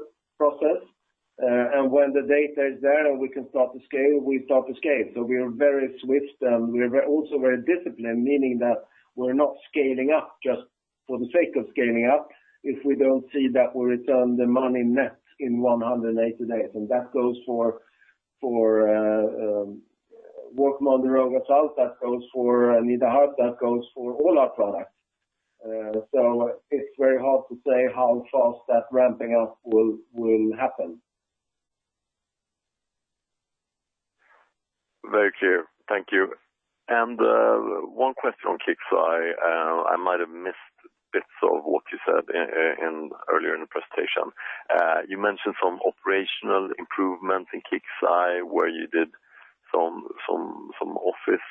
Speaker 1: When the data is there and we can start to scale, we start to scale. We are very swift and we are also very disciplined, meaning that we're not scaling up just for the sake of scaling up if we don't see that we return the money net in 180 days. That goes for Rogue Assault as well, that goes for Nida Harb, that goes for all our products. It's very hard to say how fast that ramping up will happen.
Speaker 5: Very clear. Thank you. One question on KIXEYE. I might have missed bits of what you said earlier in the presentation. You mentioned some operational improvements in KIXEYE, where you did some office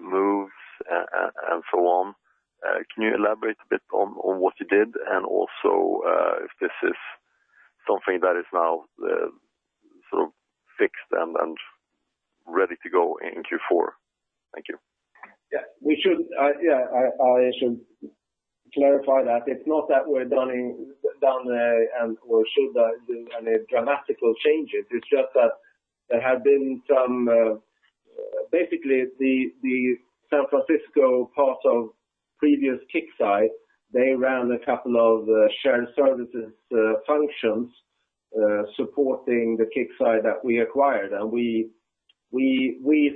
Speaker 5: moves and so on. Can you elaborate a bit on what you did, and also if this is something that is now fixed and ready to go in Q4? Thank you.
Speaker 1: Yeah, I should clarify that. It's not that we're done and/or should do any dramatic changes. It's just that there have been basically the San Francisco part of previous KIXEYE, they ran a couple of shared services functions supporting the KIXEYE that we acquired, and we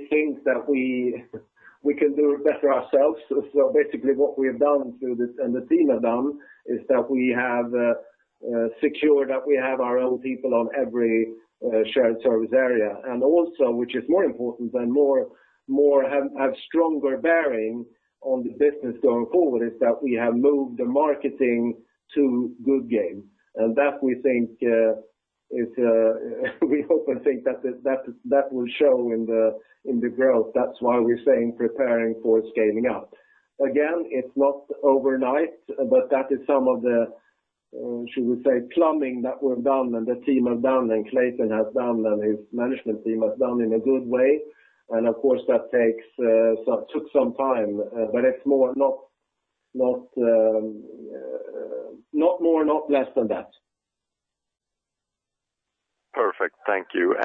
Speaker 1: think that we can do it better ourselves. Basically what we have done through this, and the team have done, is that we have secured that we have our own people on every shared service area. Also, which is more important and have stronger bearing on the business going forward, is that we have moved the marketing to Goodgame. That we hope and think that will show in the growth. That's why we're saying preparing for scaling up. It's not overnight, but that is some of the, should we say, plumbing that we've done and the team have done and Clayton has done and his management team has done in a good way. And of course, that took some time. It's not more, not less than that.
Speaker 5: Perfect. Thank you.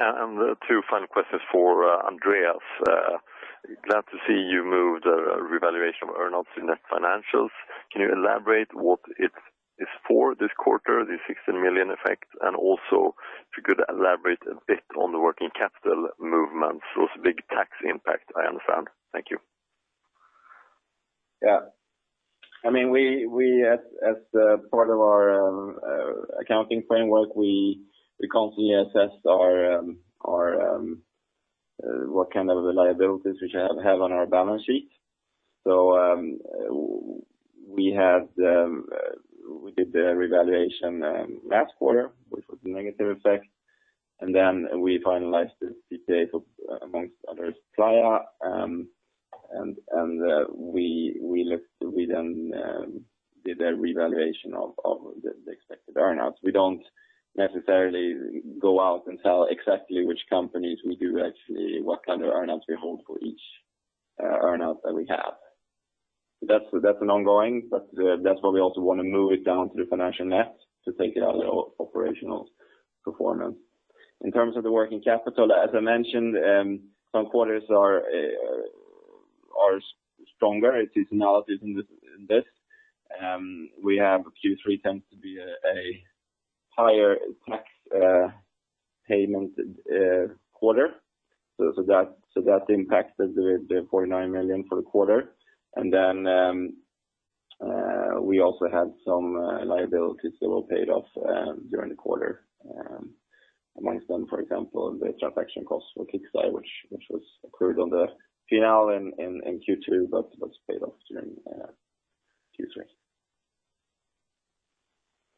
Speaker 5: Two final questions for Andreas. Glad to see you moved revaluation of earnouts in net financials. Can you elaborate what it is for this quarter, the 16 million effect, and also if you could elaborate a bit on the working capital movement. It's a big tax impact, I understand. Thank you.
Speaker 2: As part of our accounting framework, we constantly assess what kind of liabilities we have on our balance sheet. We did the revaluation last quarter, which was a negative effect, and then we finalized the details of amongst others, PPA. We then did a revaluation of the expected earnouts. We don't necessarily go out and tell exactly which companies we do, actually, what kind of earnouts we hold for each earnout that we have. That is why we also want to move it down to the financial net to take it out of the operational performance. In terms of the working capital, as I mentioned, some quarters are stronger. It is seasonality in this. We have Q3 tends to be a higher tax payment quarter. That impacted the 49 million for the quarter. We also had some liabilities that were paid off during the quarter. Among them, for example, the transaction cost for KIXEYE, which was accrued on the P&L in Q2, but was paid off during Q3.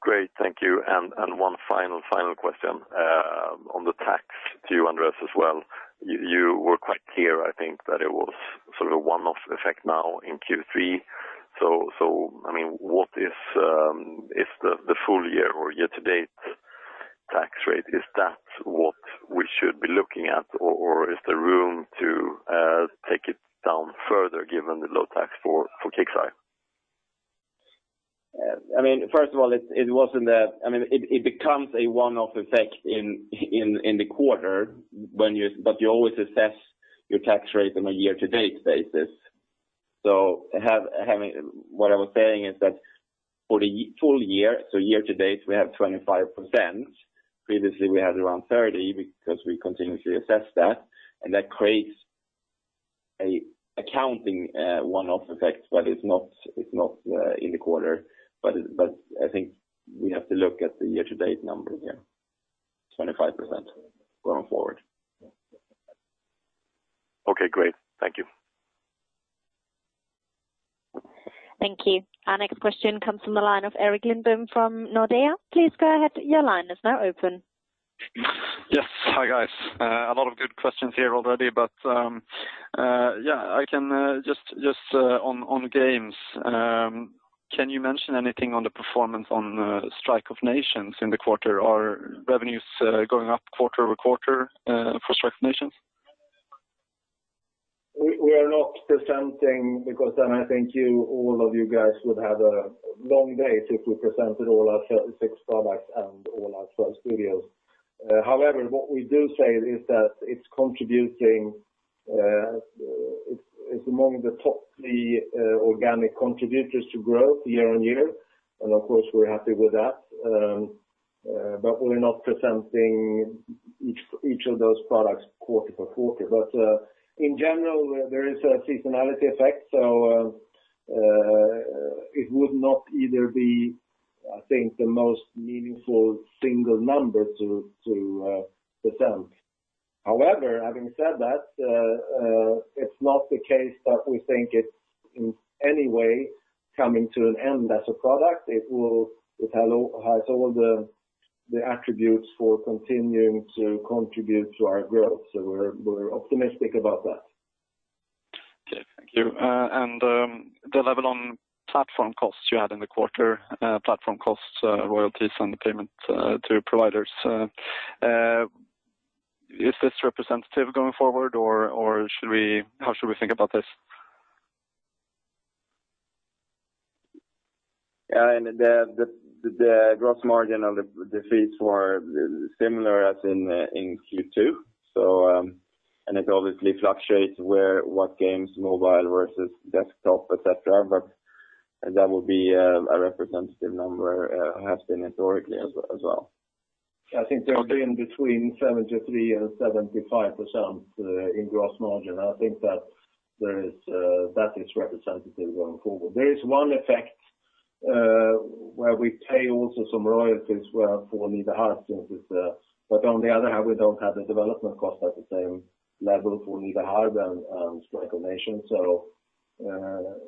Speaker 5: Great. Thank you. One final question on the tax to you, Andreas, as well. You were quite clear, I think, that it was sort of a one-off effect now in Q3. What is the full year or year-to-date tax rate? Is that what we should be looking at? Or is there room to take it down further given the low tax for KIXEYE?
Speaker 2: It becomes a one-off effect in the quarter. You always assess your tax rate on a year-to-date basis. What I was saying is that for the full year-to-date, we have 25%. Previously, we had around 30 because we continuously assess that. That creates a accounting one-off effect. It's not in the quarter. But I think we have to look at the year-to-date number here, 25% going forward.
Speaker 5: Okay, great. Thank you.
Speaker 3: Thank you. Our next question comes from the line of Erik Lindholm-Röjestål from Nordea. Please go ahead. Your line is now open.
Speaker 6: Yes. Hi, guys. A lot of good questions here already. Just on games, can you mention anything on the performance on Strike of Nations in the quarter? Are revenues going up quarter-over-quarter for Strike of Nations?
Speaker 1: We are not presenting because then I think all of you guys would have a long day if we presented all our 36 products and all our 12 studios. However, what we do say is that it's among the top three organic contributors to growth year-over-year, and of course, we're happy with that. We're not presenting each of those products quarter-over-quarter. In general, there is a seasonality effect, so it would not either be, I think, the most meaningful single number to present. However, having said that, it's not the case that we think it's in any way coming to an end as a product. It has all the attributes for continuing to contribute to our growth, so we're optimistic about that.
Speaker 6: Okay. Thank you. The level on platform costs you had in the quarter, platform costs, royalties on the payment to providers, is this representative going forward or how should we think about this?
Speaker 2: Yeah. The gross margin on the fees were similar as in Q2. It obviously fluctuates where what games, mobile versus desktop, et cetera, but that would be a representative number, has been historically as well.
Speaker 1: I think they have been between 73% and 75% in gross margin, and I think that is representative going forward. There is one effect, where we pay also some royalties for Nida Harb. On the other hand, we don't have the development cost at the same level for Nida Harb than Strike of Nations.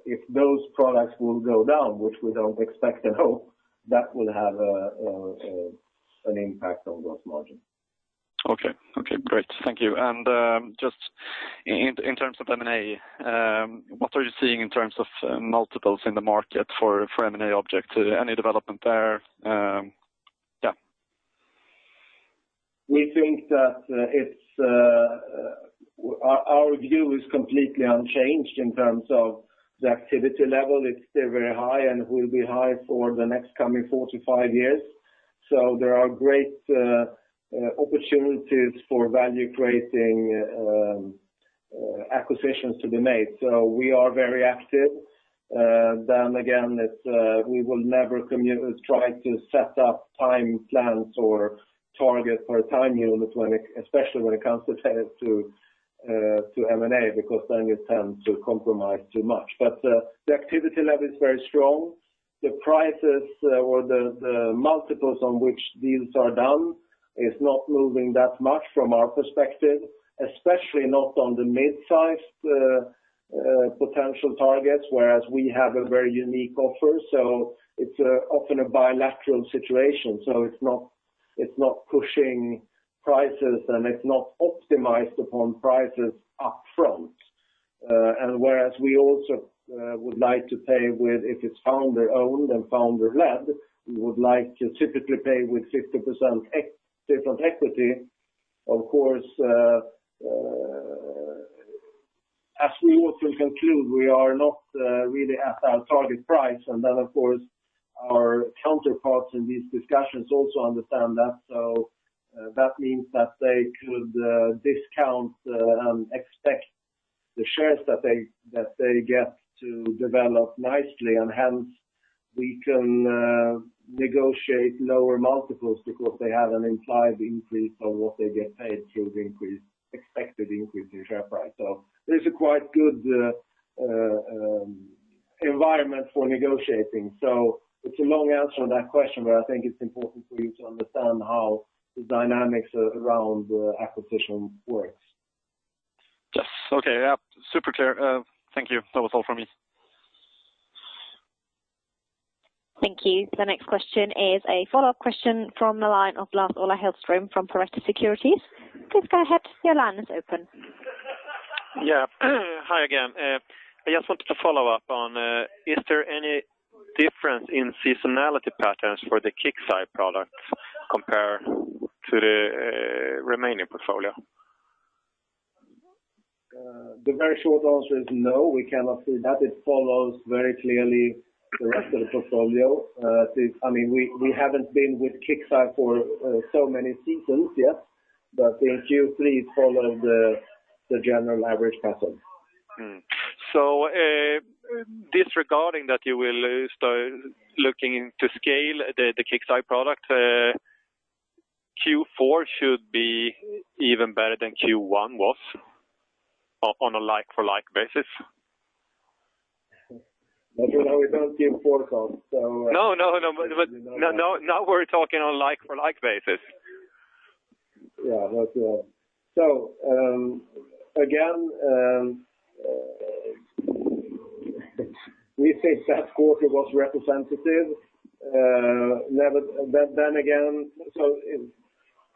Speaker 1: If those products will go down, which we don't expect and hope, that will have an impact on gross margin.
Speaker 6: Okay. Great. Thank you. Just in terms of M&A, what are you seeing in terms of multiples in the market for M&A objects? Any development there? Yeah.
Speaker 1: Our view is completely unchanged in terms of the activity level. It's still very high and will be high for the next coming four to five years. So there are great opportunities for value-creating acquisitions to be made. We are very active. We will never try to set up time plans or targets for a time unit, especially when it comes to M&A, because then you tend to compromise too much. The activity level is very strong. The prices or the multiples on which deals are done is not moving that much from our perspective, especially not on the mid-sized potential targets, whereas we have a very unique offer. So it's often a bilateral situation. It's not pushing prices, and it's not optimized upon prices upfront. Whereas we also would like to pay with, if it's founder-owned and founder-led, we would like to typically pay with 50% equity. Of course, as we also conclude, we are not really at our target price, our counterparts in these discussions also understand that. That means that they could discount and expect the shares that they get to develop nicely, and hence we can negotiate lower multiples because they have an implied increase on what they get paid through the expected increase in share price. There's a quite good environment for negotiating. So it's a long answer to that question, but I think it's important for you to understand how the dynamics around acquisition works.
Speaker 6: Yes. Okay. Super clear. Thank you. That was all from me.
Speaker 3: Thank you. The next question is a follow-up question from the line of Lars-Ola Hellström from Pareto Securities. Please go ahead. Your line is open.
Speaker 7: Yeah. Hi again. I just wanted to follow up on, is there any difference in seasonality patterns for the KIXEYE products compared to the remaining portfolio?
Speaker 1: The very short answer is no, we cannot say that. It follows very clearly the rest of the portfolio. We haven't been with KIXEYE for so many seasons yet, but in Q3 it followed the general average pattern.
Speaker 7: Disregarding that you will start looking to scale the KIXEYE product, Q4 should be even better than Q1 was on a like-for-like basis?
Speaker 1: You know we don't give forecast.
Speaker 7: No, now we're talking on like-for-like basis.
Speaker 1: That's right. Again, we think that quarter was representative.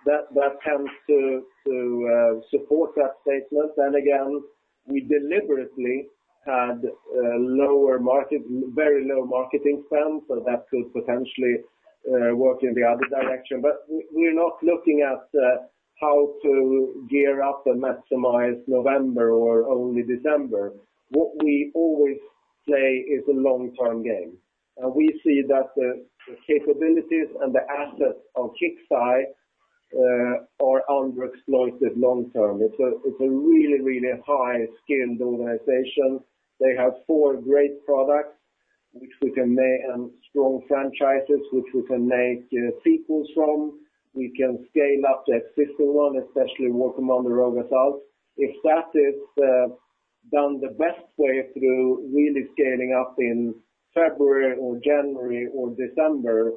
Speaker 1: That tends to support that statement. Again, we deliberately had very low marketing spend, so that could potentially work in the other direction. We're not looking at how to gear up and maximize November or only December. What we always say is a long-term game. We see that the capabilities and the assets on KIXEYE are underexploited long-term. It's a really high-skilled organization. They have four great products and strong franchises, which we can make sequels from. We can scale up the existing one, especially working on the Rogue Assault. If that is done the best way through really scaling up in February or January or December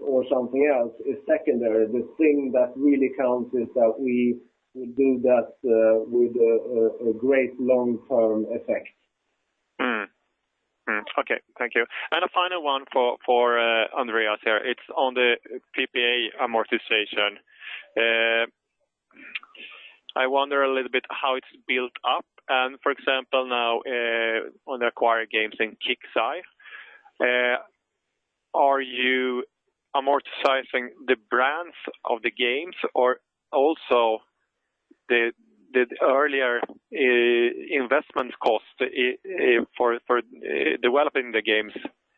Speaker 1: or something else is secondary. The thing that really counts is that we do that with a great long-term effect.
Speaker 7: Okay. Thank you. A final one for Andreas here. It's on the PPA amortization. I wonder a little bit how it's built up. For example, now, on the acquired games in KIXEYE, are you amortizing the brands of the games or also the earlier investment cost for developing the games?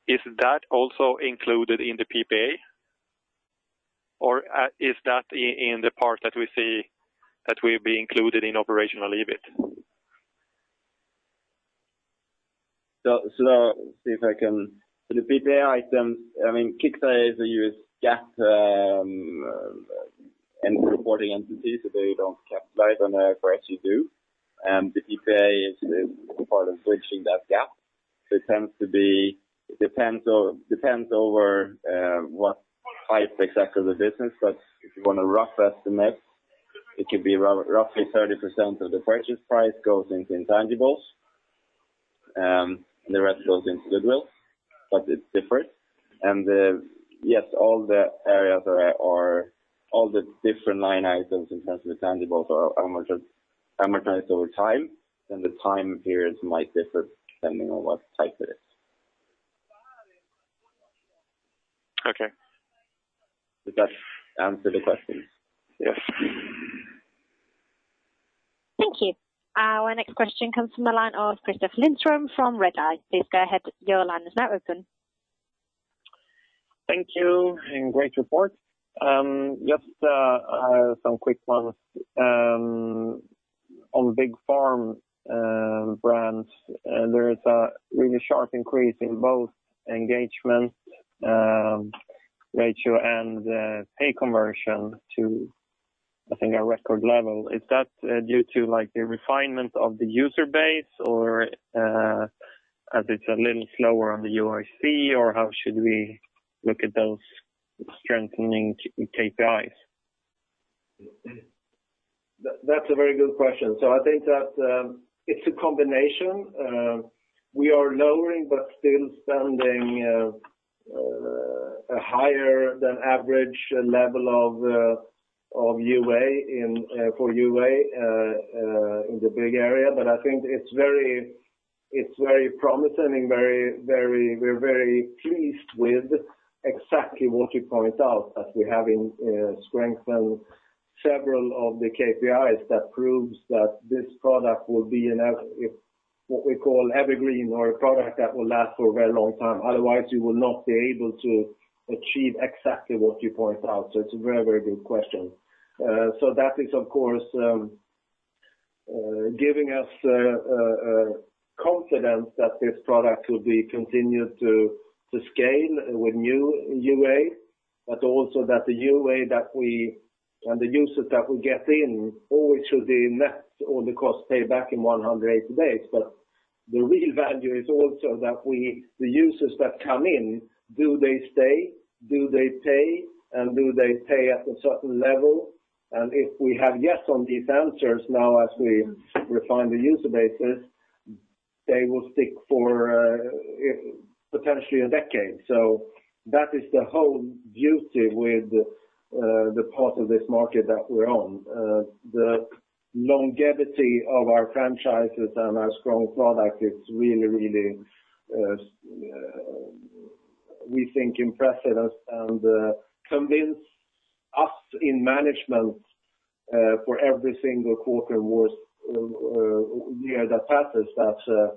Speaker 7: Is that also included in the PPA? Is that in the part that we see that will be included in operational EBIT?
Speaker 2: See if I can. The PPA items, KIXEYE is a U.S. GAAP and reporting entity, so they don't capitalize on their acquisition do. The PPA is part of bridging that gap. It depends over what type exactly the business, but if you want a rough estimate, it could be roughly 30% of the purchase price goes into intangibles, and the rest goes into goodwill. It's different. Yes, all the different line items in terms of intangibles are amortized over time, and the time periods might differ depending on what type it is.
Speaker 7: Okay.
Speaker 2: Did that answer the question?
Speaker 7: Yes.
Speaker 3: Thank you. Our next question comes from the line of Kristoffer Lindström from Redeye. Please go ahead. Your line is now open.
Speaker 8: Thank you. Great report. Just some quick ones. On Big Farm brands, there is a really sharp increase in both engagement ratio and pay conversion to, I think, a record level. Is that due to the refinement of the user base? As it's a little slower on the UAC, or how should we look at those strengthening KPIs?
Speaker 1: That's a very good question. I think that it's a combination. We are lowering, but still spending a higher than average level for UA in the Big Farm. I think it's very promising, we're very pleased with exactly what you point out that we have strengthened several of the KPIs that proves that this product will be what we call evergreen or a product that will last for a very long time. Otherwise, you will not be able to achieve exactly what you point out. It's a very good question. That is, of course, giving us confidence that this product will be continued to scale with new UA, but also that the UA and the users that we get in always should be net on the cost payback in 180 days. The real value is also that the users that come in, do they stay? Do they pay? Do they pay at a certain level? If we have yes on these answers now as we refine the user bases, they will stick for potentially a decade. That is the whole beauty with the part of this market that we're on. The longevity of our franchises and our strong product is really, we think, impressive and convince us in management for every single quarter year that passes that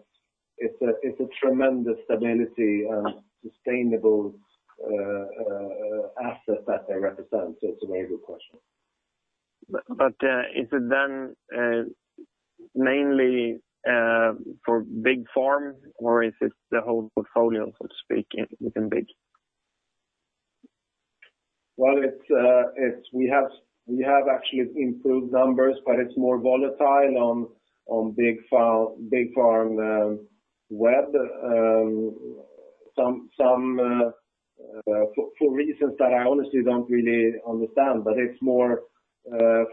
Speaker 1: it's a tremendous stability and sustainable asset that they represent. It's a very good question.
Speaker 8: Is it then mainly for Big Farm, or is it the whole portfolio, so to speak, within Big?
Speaker 1: We have actually improved numbers, but it's more volatile on Big Farm web. For reasons that I honestly don't really understand, it's more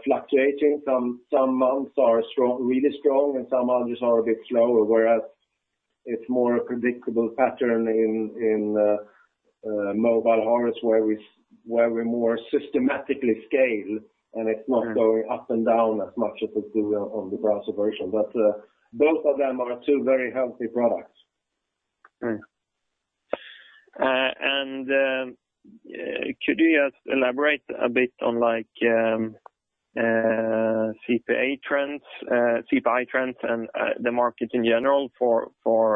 Speaker 1: fluctuating. Some months are really strong, and some months are a bit slower, whereas it's more a predictable pattern in Mobile Harvest where we more systematically scale, and it's not going up and down as much as we do on the browser version. Both of them are two very healthy products.
Speaker 8: Could you elaborate a bit on CPA trends, CPI trends, and the market in general for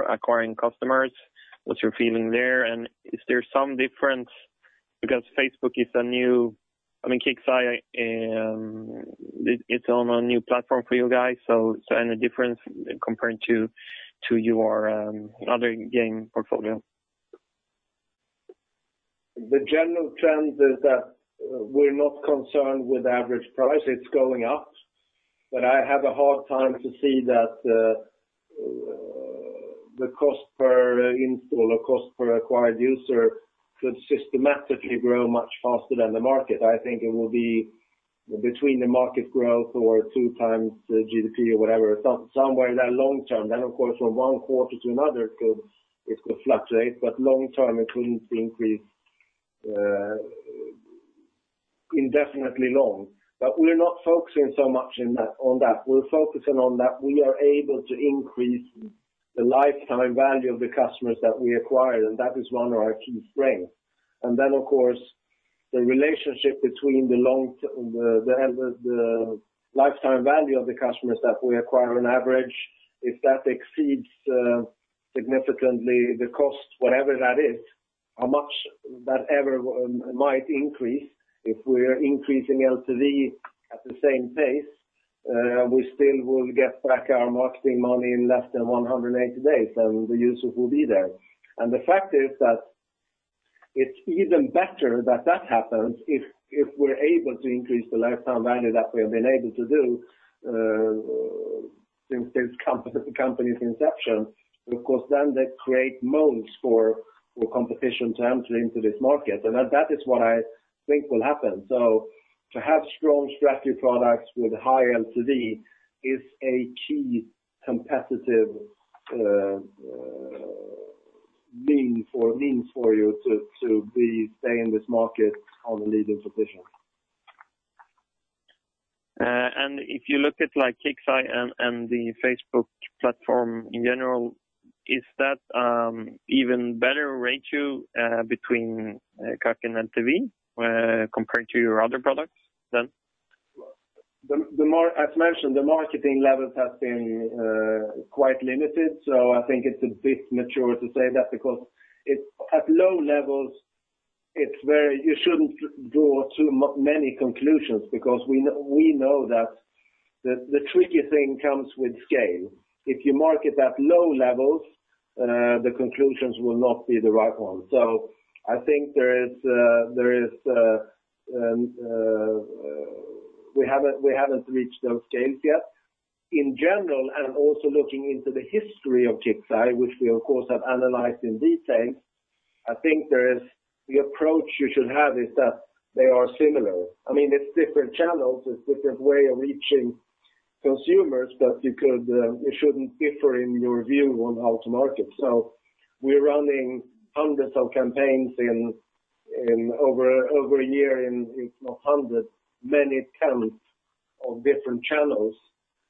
Speaker 8: acquiring customers? What's your feeling there, and is there some difference because KIXEYE it's on a new platform for you guys, so any difference comparing to your other game portfolio?
Speaker 1: The general trend is that we're not concerned with average price. It's going up. I have a hard time to see that the cost per install or cost per acquired user could systematically grow much faster than the market. I think it will be between the market growth or two times the GDP or whatever, somewhere in that long term. Of course, from one quarter to another, it could fluctuate, but long term, it will increase indefinitely long. We're not focusing so much on that. We're focusing on that we are able to increase the lifetime value of the customers that we acquire, and that is one of our key strengths. Then, of course, the relationship between the lifetime value of the customers that we acquire on average, if that exceeds significantly the cost, whatever that is, how much that ever might increase, if we're increasing LTV at the same pace, we still will get back our marketing money in less than 180 days, and the users will be there. The fact is that it's even better that that happens if we're able to increase the lifetime value that we have been able to do since this company's inception, because then they create moats for competition to enter into this market. That is what I think will happen. To have strong strategic products with high LTV is a key competitive means for you to stay in this market on a leading position.
Speaker 8: If you look at KIXEYE and the Facebook platform in general, is that even better ratio between CAC and LTV compared to your other products then?
Speaker 1: As mentioned, the marketing levels have been quite limited, I think it's a bit mature to say that because at low levels, you shouldn't draw too many conclusions because we know that the tricky thing comes with scale. If you market at low levels, the conclusions will not be the right one. I think we haven't reached those scales yet. In general, and also looking into the history of KIXEYE, which we, of course, have analyzed in detail, I think the approach you should have is that they are similar. It's different channels, it's different way of reaching consumers, but it shouldn't differ in your view on how to market. We're running hundreds of campaigns over a year in not hundreds, many tens of different channels,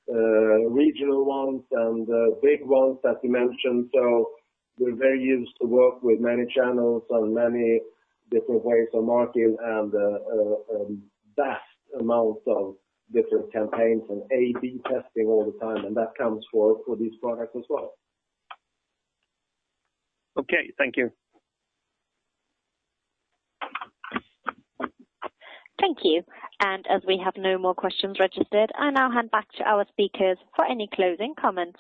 Speaker 1: regional ones and big ones, as you mentioned. We're very used to work with many channels and many different ways of marketing and vast amounts of different campaigns and A/B testing all the time, and that counts for this product as well.
Speaker 8: Okay. Thank you.
Speaker 3: Thank you. As we have no more questions registered, I now hand back to our speakers for any closing comments.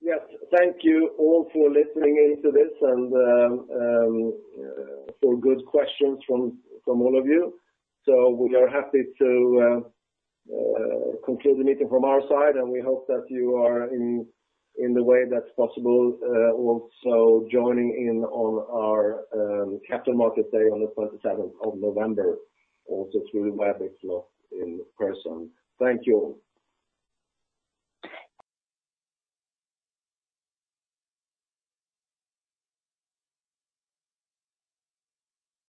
Speaker 4: Yes, thank you-all for listening in to this and for good questions from all of you. We are happy to conclude the meeting from our side, and we hope that you are in the way that's possible, also joining in on our Capital Markets Day on the 27th of November, also through the Webex link in person. Thank you.